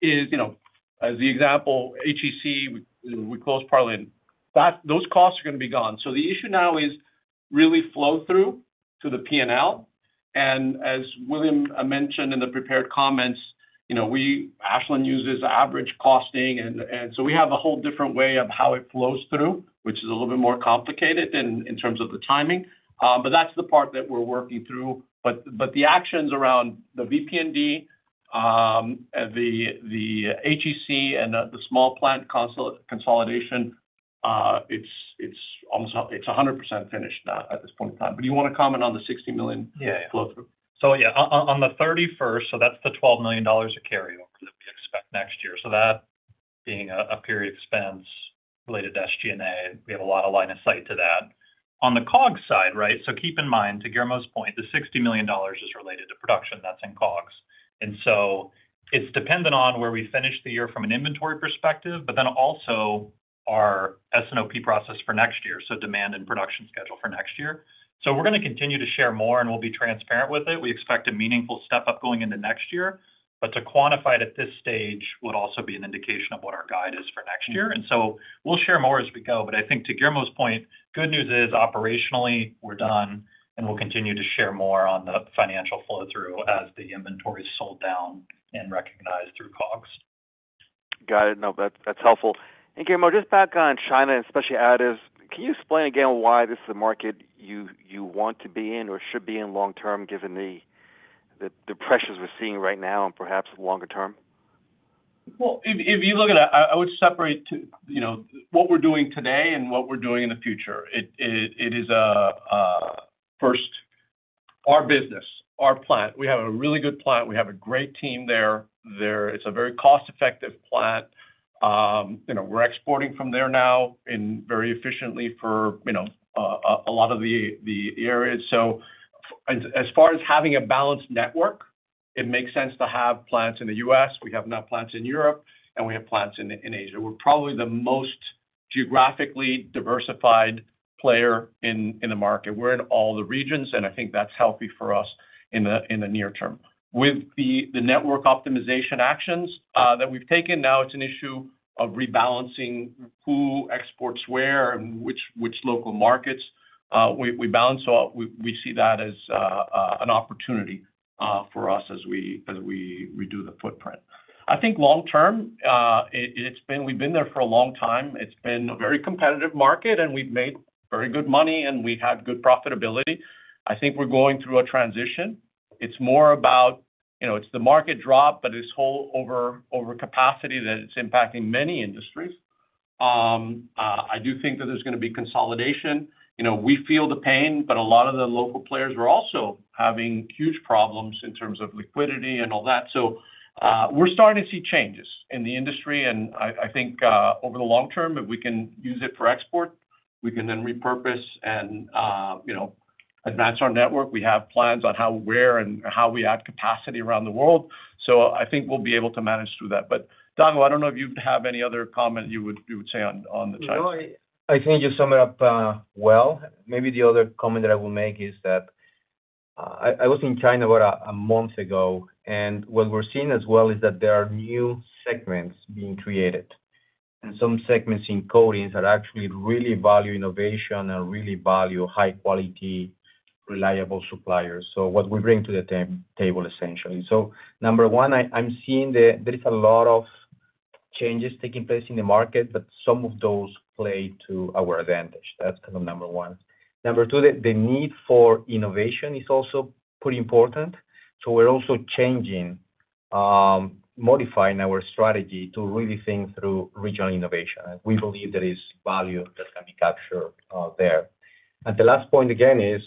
is, you know, as the example, HEC, we closed Parlin. Those costs are going to be gone. The issue now is really flow-through to the P&L. As William mentioned in the prepared comments, Ashland uses average costing. We have a whole different way of how it flows through, which is a little bit more complicated in terms of the timing. That's the part that we're working through. The actions around the VP&D, the HEC, and the small plant consolidation, it's almost 100% finished now at this point in time. Do you want to comment on the $60 million flow-through? Yeah. On the 31st, that's the $12 million of carryover that we expect next year. That being a period of expense related to SG&A, we have a lot of line of sight to that. On the COGS side, right, keep in mind, to Guillermo's point, the $60 million is related to production. That's in COGS, and it's dependent on where we finish the year from an inventory perspective, but also our S&OP process for next year, so demand and production schedule for next year. We're going to continue to share more, and we'll be transparent with it. We expect a meaningful step up going into next year. To quantify it at this stage would also be an indication of what our guide is for next year. We'll share more as we go. I think to Guillermo's point, good news is operationally, we're done, and we'll continue to share more on the financial flow-through as the inventory is sold down and recognized through COGS. Got it. No, that's helpful. Guillermo, just back on China and Specialty Additives, can you explain again why this is a market you want to be in or should be in long term, given the pressures we're seeing right now and perhaps longer term? If you look at it, I would separate to what we're doing today and what we're doing in the future. It is a first, our business, our plant. We have a really good plant. We have a great team there. It's a very cost-effective plant. We're exporting from there now very efficiently for a lot of the areas. As far as having a balanced network, it makes sense to have plants in the U.S. We have now plants in Europe, and we have plants in Asia. We're probably the most geographically diversified player in the market. We're in all the regions, and I think that's healthy for us in the near term. With the network optimization actions that we've taken, now it's an issue of rebalancing who exports where and which local markets we balance. We see that as an opportunity for us as we redo the footprint. I think long term, and we've been there for a long time. It's been a very competitive market, and we've made very good money, and we had good profitability. I think we're going through a transition. It's more about the market drop, but this whole overcapacity that is impacting many industries. I do think that there's going to be consolidation. We feel the pain, but a lot of the local players are also having huge problems in terms of liquidity and all that. We're starting to see changes in the industry. I think over the long term, if we can use it for export, we can then repurpose and advance our network. We have plans on how, where, and how we add capacity around the world. I think we'll be able to manage through that. Dago, I don't know if you have any other comment you would say on the China side. No, I think you summed it up well. Maybe the other comment that I would make is that I was in China about a month ago, and what we're seeing as well is that there are new segments being created. Some segments in coatings actually really value innovation and really value high-quality, reliable suppliers, which is what we bring to the table, essentially. Number one, I'm seeing that there are a lot of changes taking place in the market, but some of those play to our advantage. That's kind of number one. Number two, the need for innovation is also pretty important. We're also changing, modifying our strategy to really think through regional innovation, and we believe there is value that can be captured there. The last point, again, is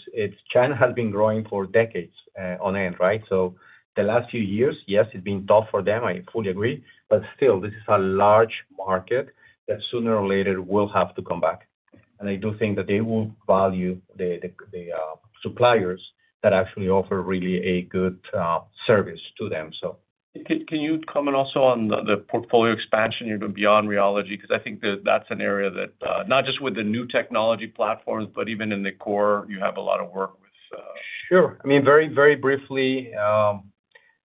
China has been growing for decades on end, right? The last few years, yes, it's been tough for them. I fully agree. Still, this is a large market that sooner or later will have to come back. I do think that they will value the suppliers that actually offer really a good service to them. Can you comment also on the portfolio expansion even beyond rheology? I think that that's an area that not just with the new technology platforms, but even in the core, you have a lot of work with. Sure. Very, very briefly,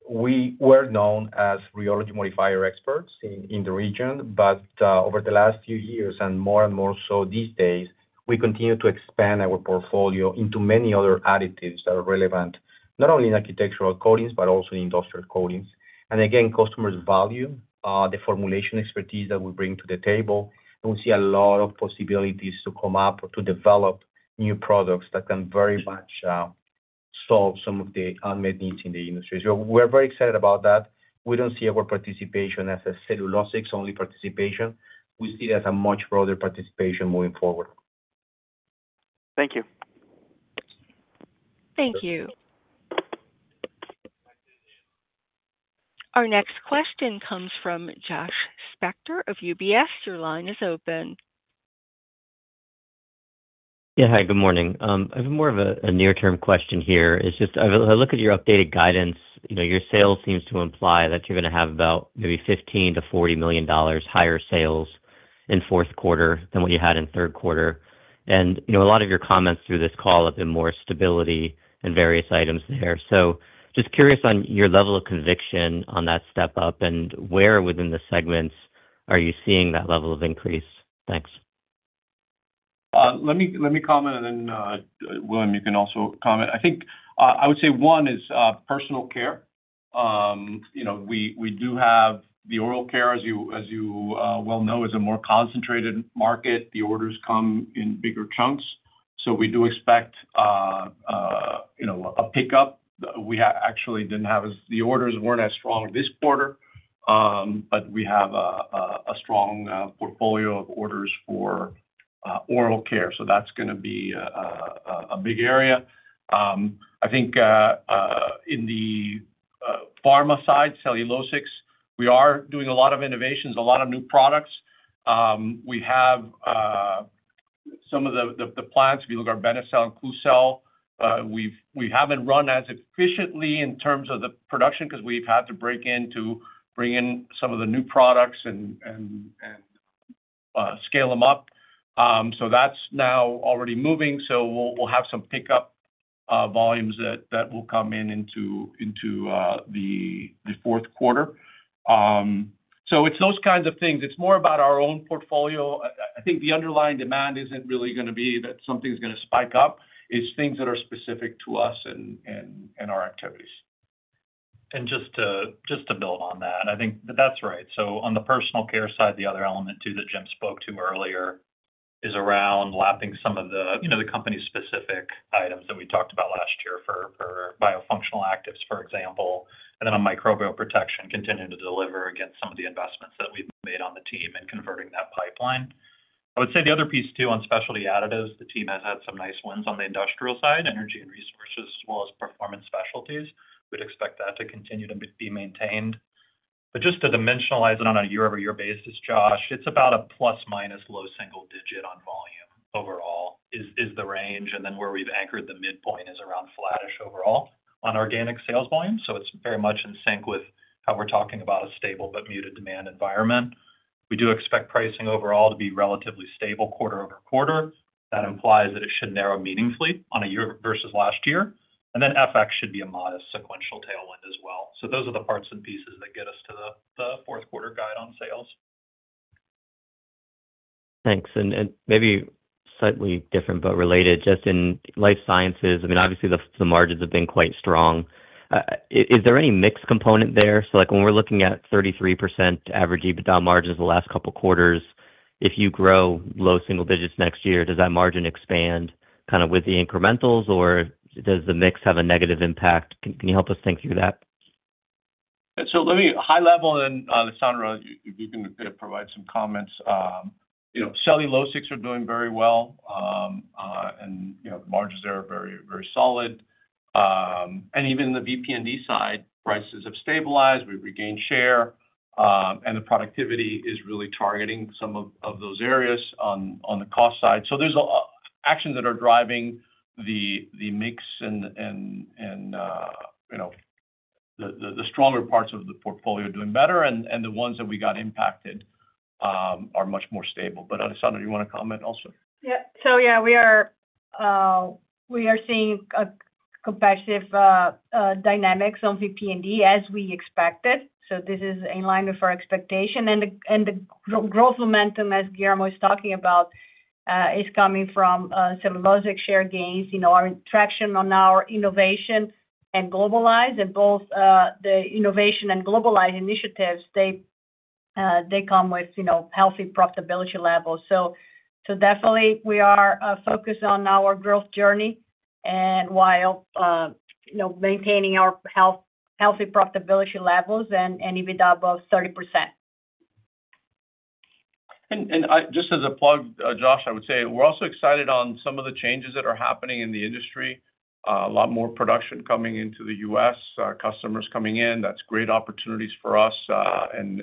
we're known as rheology modifier experts in the region. Over the last few years, and more and more so these days, we continue to expand our portfolio into many other additives that are relevant not only in architectural coatings, but also in industrial coatings. Customers value the formulation expertise that we bring to the table. We see a lot of possibilities to come up or to develop new products that can very much solve some of the unmet needs in the industry. We're very excited about that. We don't see our participation as a cellulosics-only participation. We see it as a much broader participation moving forward. Thank you. Thank you. Our next question comes from Josh Spector of UBS. Your line is open. Yeah. Hi. Good morning. I have more of a near-term question here. I look at your updated guidance. Your sales seem to imply that you're going to have about maybe $15 million-$40 million higher sales in the fourth quarter than what you had in the third quarter. A lot of your comments through this call have been more stability and various items there. Just curious on your level of conviction on that step up and where within the segments are you seeing that level of increase. Thanks. Let me comment, and then, William, you can also comment. I think I would say one is Personal Care. You know, we do have the oral care, as you well know, is a more concentrated market. The orders come in bigger chunks. We do expect, you know, a pickup. We actually didn't have as the orders weren't as strong this quarter, but we have a strong portfolio of orders for oral care. That's going to be a big area. I think in the pharma side, cellulosics, we are doing a lot of innovations, a lot of new products. We have some of the plants, if you look at our Benecel Klucel, we haven't run as efficiently in terms of the production because we've had to break in to bring in some of the new products and scale them up. That's now already moving. We'll have some pickup volumes that will come in into the fourth quarter. It's those kinds of things. It's more about our own portfolio. I think the underlying demand isn't really going to be that something's going to spike up. It's things that are specific to us and our activities. To build on that, I think that’s right. On the Personal Care side, the other element that Jim spoke to earlier is around lapping some of the company-specific items that we talked about last year for biofunctional actives, for example. On microbial protection, continuing to deliver against some of the investments that we’ve made on the team and converting that pipeline. I would say the other piece on Specialty Additives, the team has had some nice wins on the industrial side, energy and resources, as well as performance specialties. We’d expect that to continue to be maintained. To dimensionalize it on a year-over-year basis, Josh, it’s about a plus-minus low single digit on volume overall as the range. Where we’ve anchored the midpoint is around flattish overall on organic sales volume. It’s very much in sync with how we’re talking about a stable but muted demand environment. We do expect pricing overall to be relatively stable quarter-over-quarter. That implies that it should narrow meaningfully on a year versus last year. FX should be a modest sequential tailwind as well. Those are the parts and pieces that get us to the fourth quarter guide on sales. Thanks. Maybe slightly different, but related, just in Life Sciences, I mean, obviously, the margins have been quite strong. Is there any mix component there? When we're looking at 33% average EBITDA margins the last couple of quarters, if you grow low single digits next year, does that margin expand kind of with the incrementals, or does the mix have a negative impact? Can you help us think through that? Let me high level, and then Alessandra, if you can provide some comments. You know, cellulosics are doing very well, and the margins there are very, very solid. Even in the VPND side, prices have stabilized. We've regained share, and the productivity is really targeting some of those areas on the cost side. There are actions that are driving the mix, and the stronger parts of the portfolio are doing better. The ones that we got impacted are much more stable. Alessandra, do you want to comment also? Yeah, we are seeing competitive dynamics on VP&D as we expected. This is in line with our expectation. The growth momentum, as Guillermo is talking about, is coming from cellulosic share gains. Our traction on our innovation and globalized, and both the innovation and globalized initiatives, they come with healthy profitability levels. We are focused on our growth journey while maintaining our healthy profitability levels and EBITDA above 30%. Just as a plug, Josh, I would say we're also excited on some of the changes that are happening in the industry. A lot more production coming into the U.S., customers coming in. That's great opportunities for us, and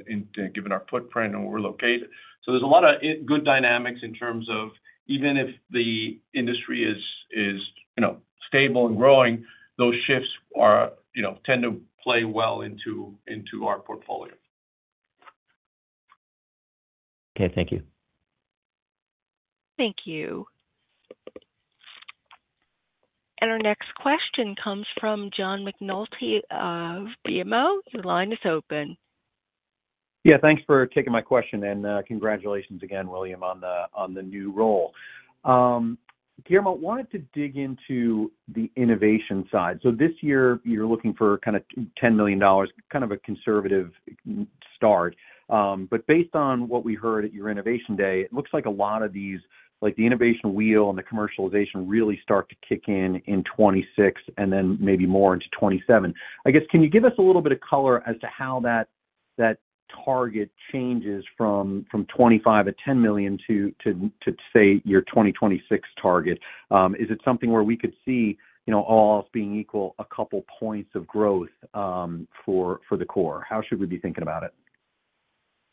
given our footprint and where we're located, there's a lot of good dynamics in terms of even if the industry is, you know, stable and growing, those shifts tend to play well into our portfolio. Okay, thank you. Thank you. Our next question comes from John McNulty of BMO. Your line is open. Yeah. Thanks for taking my question, and congratulations again, William, on the new role. Guillermo, I wanted to dig into the innovation side. This year, you're looking for kind of $10 million, kind of a conservative start. Based on what we heard at your innovation day, it looks like a lot of these, like the innovation wheel and the commercialization, really start to kick in in 2026 and then maybe more into 2027. Can you give us a little bit of color as to how that target changes from 2025 to $10 million to, say, your 2026 target? Is it something where we could see, you know, all else being equal, a couple points of growth for the core? How should we be thinking about it?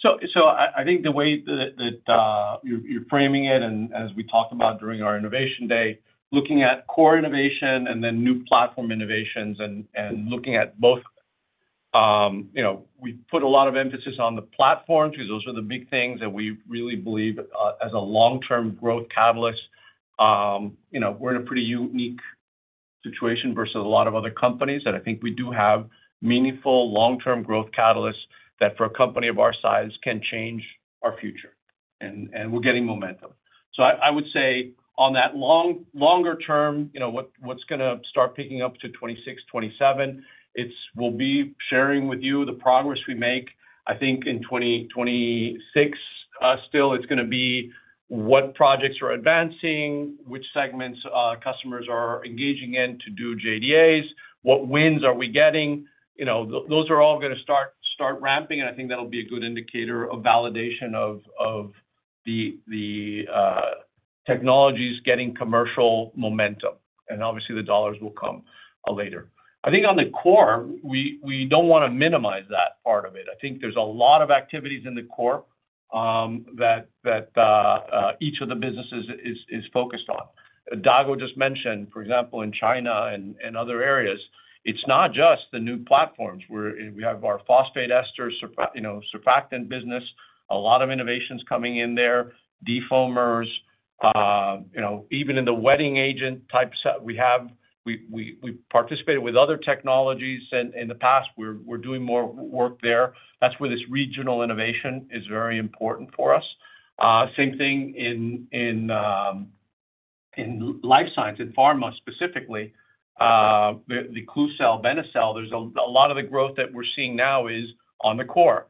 I think the way that you're framing it, and as we talked about during our Innovation Day, looking at core innovation and then new platform innovations and looking at both, we put a lot of emphasis on the platforms because those are the big things that we really believe as a long-term growth catalyst. We're in a pretty unique situation versus a lot of other companies that I think we do have meaningful long-term growth catalysts that for a company of our size can change our future. We're getting momentum. I would say on that longer term, what's going to start picking up to 2026, 2027, we'll be sharing with you the progress we make. I think in 2026, still, it's going to be what projects are advancing, which segments customers are engaging in to do JDAs, what wins are we getting. Those are all going to start ramping. I think that'll be a good indicator of validation of the technologies getting commercial momentum. Obviously, the dollars will come later. I think on the core, we don't want to minimize that part of it. There's a lot of activities in the core that each of the businesses is focused on. Dago just mentioned, for example, in China and other areas, it's not just the new platforms. We have our phosphate ester surfactant business, a lot of innovations coming in there, defoamers. Even in the wetting agent type set, we participated with other technologies in the past. We're doing more work there. That's where this regional innovation is very important for us. Same thing in Life Sciences, in pharma specifically, the Klucel, Benecel there's a lot of the growth that we're seeing now is on the core.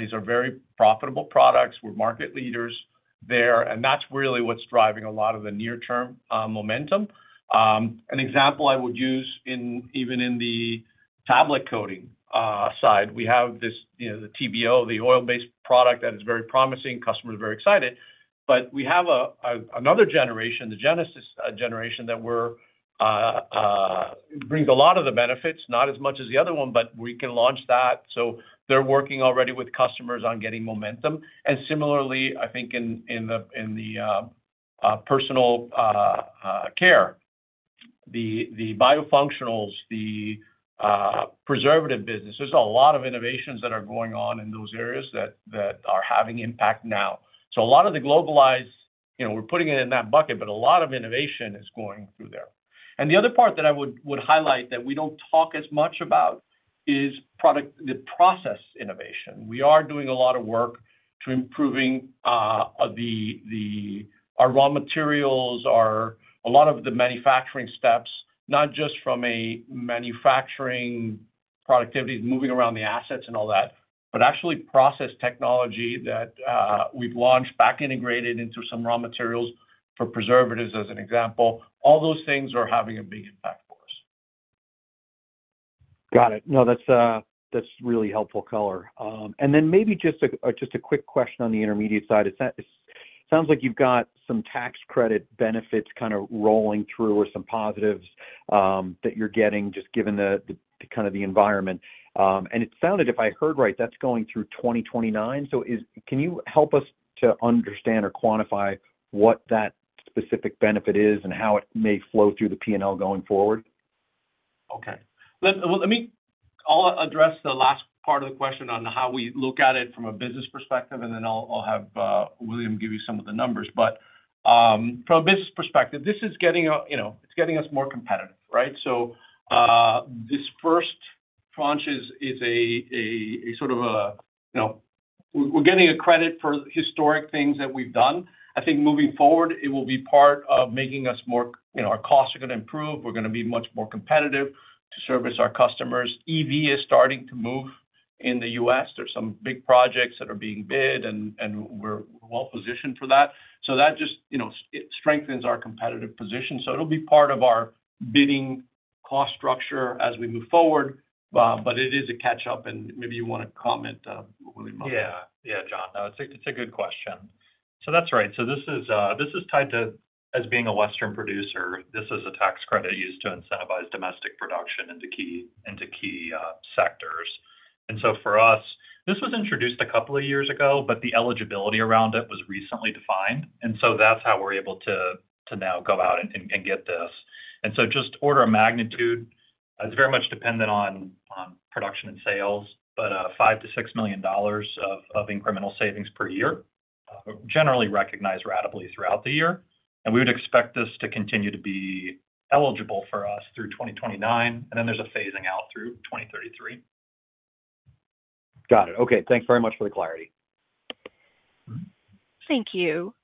These are very profitable products. We're market leaders there. That's really what's driving a lot of the near-term momentum. An example I would use even in the tablet coating side, we have the TBO, the oil-based product that is very promising. Customers are very excited. We have another generation, the Genesis generation, that brings a lot of the benefits, not as much as the other one, but we can launch that. They're working already with customers on getting momentum. Similarly, I think in Personal Care, the biofunctionals, the preservative business, there's a lot of innovations that are going on in those areas that are having impact now. A lot of the globalized, you know, we're putting it in that bucket, but a lot of innovation is going through there. The other part that I would highlight that we don't talk as much about is product, the process innovation. We are doing a lot of work to improving our raw materials, a lot of the manufacturing steps, not just from a manufacturing productivity, moving around the assets and all that, but actually process technology that we've launched back integrated into some raw materials for preservatives as an example. All those things are having a big impact for us. Got it. No, that's a really helpful color. Maybe just a quick question on the Intermediates side. It sounds like you've got some tax credit benefits kind of rolling through or some positives that you're getting just given the kind of the environment. It sounded, if I heard right, that's going through 2029. Can you help us to understand or quantify what that specific benefit is and how it may flow through the P&L going forward? Okay. Let me address the last part of the question on how we look at it from a business perspective, and then I'll have William give you some of the numbers. From a business perspective, this is getting us more competitive, right? This first tranche is a sort of, you know, we're getting a credit for historic things that we've done. I think moving forward, it will be part of making us more, you know, our costs are going to improve. We're going to be much more competitive to service our customers. EV is starting to move in the U.S. There's some big projects that are being bid, and we're well positioned for that. That just strengthens our competitive position. It'll be part of our bidding cost structure as we move forward. It is a catch-up, and maybe you want to comment, William. Yeah, John. It's a good question. That's right. This is tied to, as being a Western producer, this is a tax credit used to incentivize domestic production into key sectors. For us, this was introduced a couple of years ago, but the eligibility around it was recently defined. That's how we're able to now go out and get this. Just order of magnitude, it's very much dependent on production and sales, but $5 million-$6 million of incremental savings per year, generally recognized ratably throughout the year. We would expect this to continue to be eligible for us through 2029, and then there's a phasing out through 2033. Got it. Okay, thanks very much for the clarity. Thank you.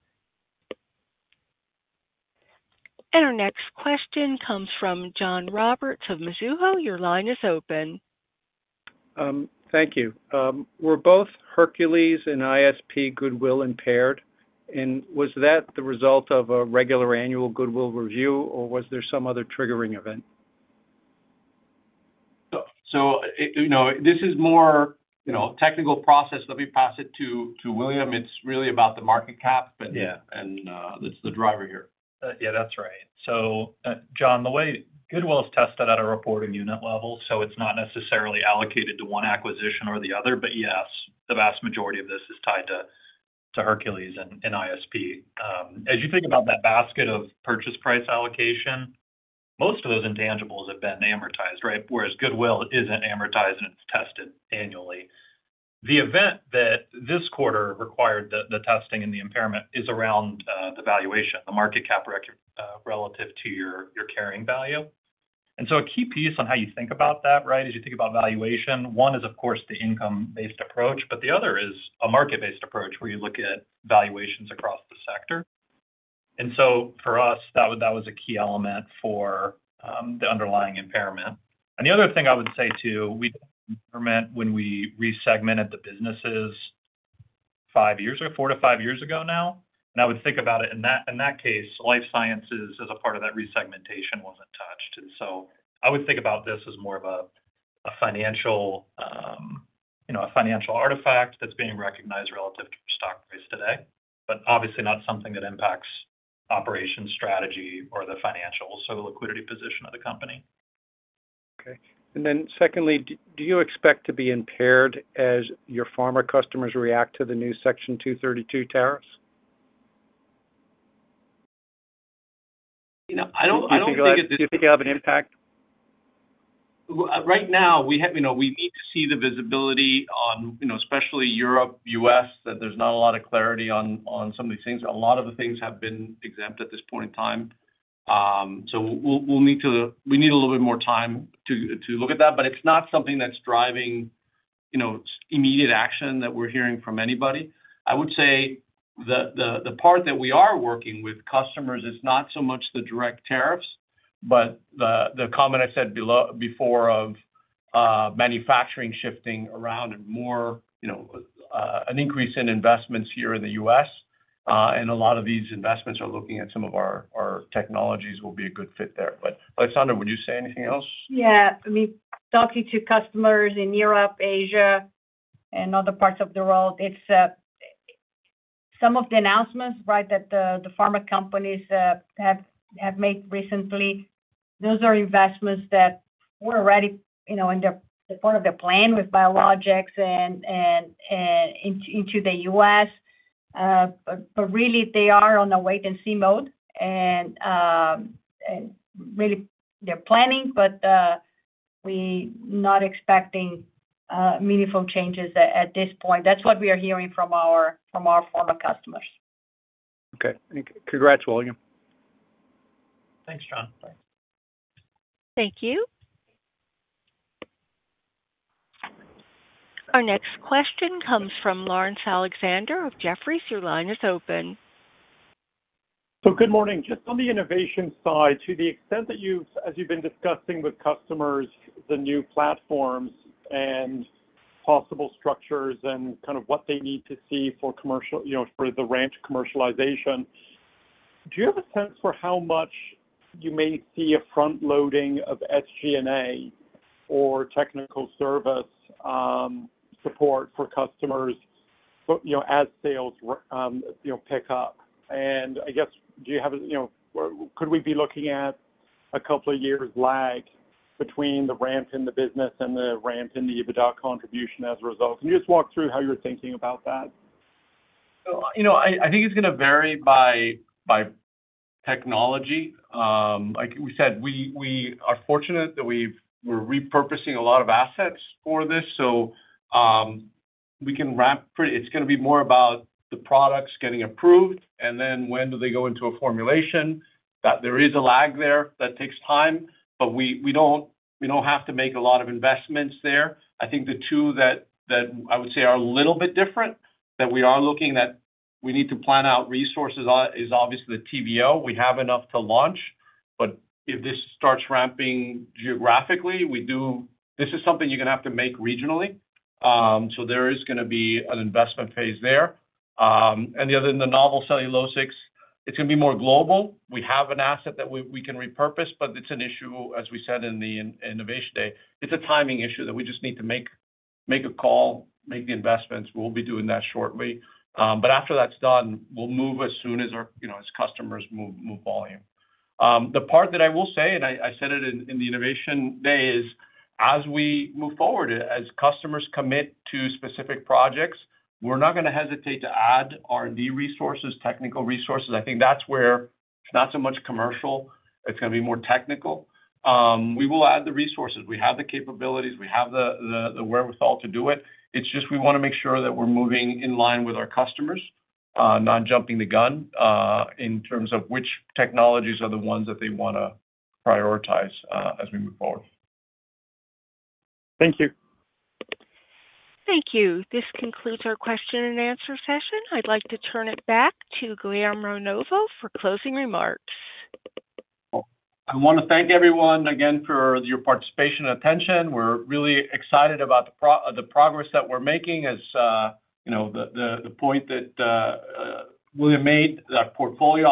Our next question comes from John Roberts of Mizuho. Your line is open. Thank you. Were both Hercules and ISP goodwill impaired, and was that the result of a regular annual goodwill review, or was there some other triggering event? This is more, you know, technical process. Let me pass it to William. It's really about the market cap. That's the driver here. Yeah, that's right. John, the way goodwill is tested at a reporting unit level, so it's not necessarily allocated to one acquisition or the other. Yes, the vast majority of this is tied to Hercules and ISP. As you think about that basket of purchase price allocation, most of those intangibles have been amortized, right? Whereas goodwill isn't amortized and it's tested annually. The event that this quarter required the testing and the impairment is around the valuation, the market cap relative to your carrying value. A key piece on how you think about that, as you think about valuation, one is, of course, the income-based approach, but the other is a market-based approach where you look at valuations across the sector. For us, that was a key element for the underlying impairment. The other thing I would say, too, we didn't have an impairment when we resegmented the businesses four to five years ago now. I would think about it in that case, Life Sciences as a part of that resegmentation wasn't touched. I would think about this as more of a financial artifact that's being recognized relative to stock price today, but obviously not something that impacts operations strategy or the financials, so the liquidity position of the company. Okay. Secondly, do you expect to be impaired as your pharma customers react to the new Section 232 tariffs? Do you think it's going to have an impact? Right now, we need to see the visibility on, especially Europe, U.S., that there's not a lot of clarity on some of these things. A lot of the things have been exempt at this point in time. We need a little bit more time to look at that. It's not something that's driving immediate action that we're hearing from anybody. I would say the part that we are working with customers is not so much the direct tariffs, but the comment I said before of manufacturing shifting around and more, an increase in investments here in the U.S. A lot of these investments are looking at some of our technologies will be a good fit there. Alessandra, would you say anything else? Yeah. I mean, talking to customers. In Europe, Asia, and other parts of the world, it's some of the announcements that the pharma companies have made recently. Those are investments that were already in the part of the plan with biologics and into the U.S. They are on a wait-and-see mode, and really, they're planning, but we're not expecting meaningful changes at this point. That's what we are hearing from our pharma customers. Okay. Congrats, William. Thanks, John. Thank you. Our next question comes from Lawrence Alexander of Jefferies. Your line is open. Good morning. On the innovation side, to the extent that you've been discussing with customers the new platforms and possible structures and what they need to see for commercial, for the ramp commercialization, do you have a sense for how much you may see a front-loading of SG&A or technical service support for customers as sales pick up? Do you have a, could we be looking at a couple of years' lag between the ramp in the business and the ramp in the EBITDA contribution as a result? Can you just walk through how you're thinking about that? I think it's going to vary by technology. Like we said, we are fortunate that we're repurposing a lot of assets for this, so we can ramp. It's going to be more about the products getting approved and then when do they go into a formulation. There is a lag there that takes time, but we don't have to make a lot of investments there. I think the two that I would say are a little bit different that we are looking at, we need to plan out resources, is obviously the TBO. We have enough to launch, but if this starts ramping geographically, this is something you're going to have to make regionally. There is going to be an investment phase there. The other thing, the novel cellulosics, it's going to be more global. We have an asset that we can repurpose, but it's an issue, as we said in the innovation day, it's a timing issue that we just need to make a call, make the investments. We'll be doing that shortly. After that's done, we'll move as soon as our customers move volume. The part that I will say, and I said it in the innovation day, is as we move forward, as customers commit to specific projects, we're not going to hesitate to add R&D resources, technical resources. I think that's where it's not so much commercial. It's going to be more technical. We will add the resources. We have the capabilities. We have the wherewithal to do it. We just want to make sure that we're moving in line with our customers, not jumping the gun in terms of which technologies are the ones that they want to prioritize as we move forward. Thank you. Thank you. This concludes our question and answer session. I'd like to turn it back to Guillermo Novo for closing remarks. I want to thank everyone again for your participation and attention. We're really excited about the progress that we're making as, you know, the point that William made, that portfolio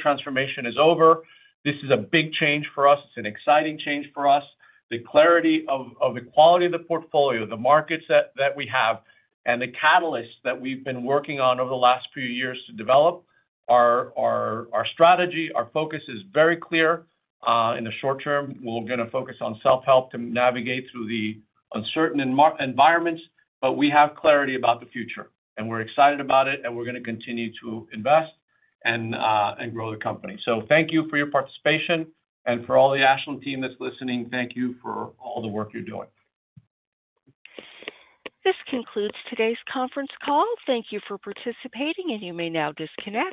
transformation is over. This is a big change for us. It's an exciting change for us. The clarity of the quality of the portfolio, the markets that we have, and the catalysts that we've been working on over the last few years to develop our strategy, our focus is very clear. In the short term, we're going to focus on self-help to navigate through the uncertain environments, but we have clarity about the future. We're excited about it, and we're going to continue to invest and grow the company. Thank you for your participation. For all the Ashland team that's listening, thank you for all the work you're doing. This concludes today's conference call. Thank you for participating, and you may now disconnect.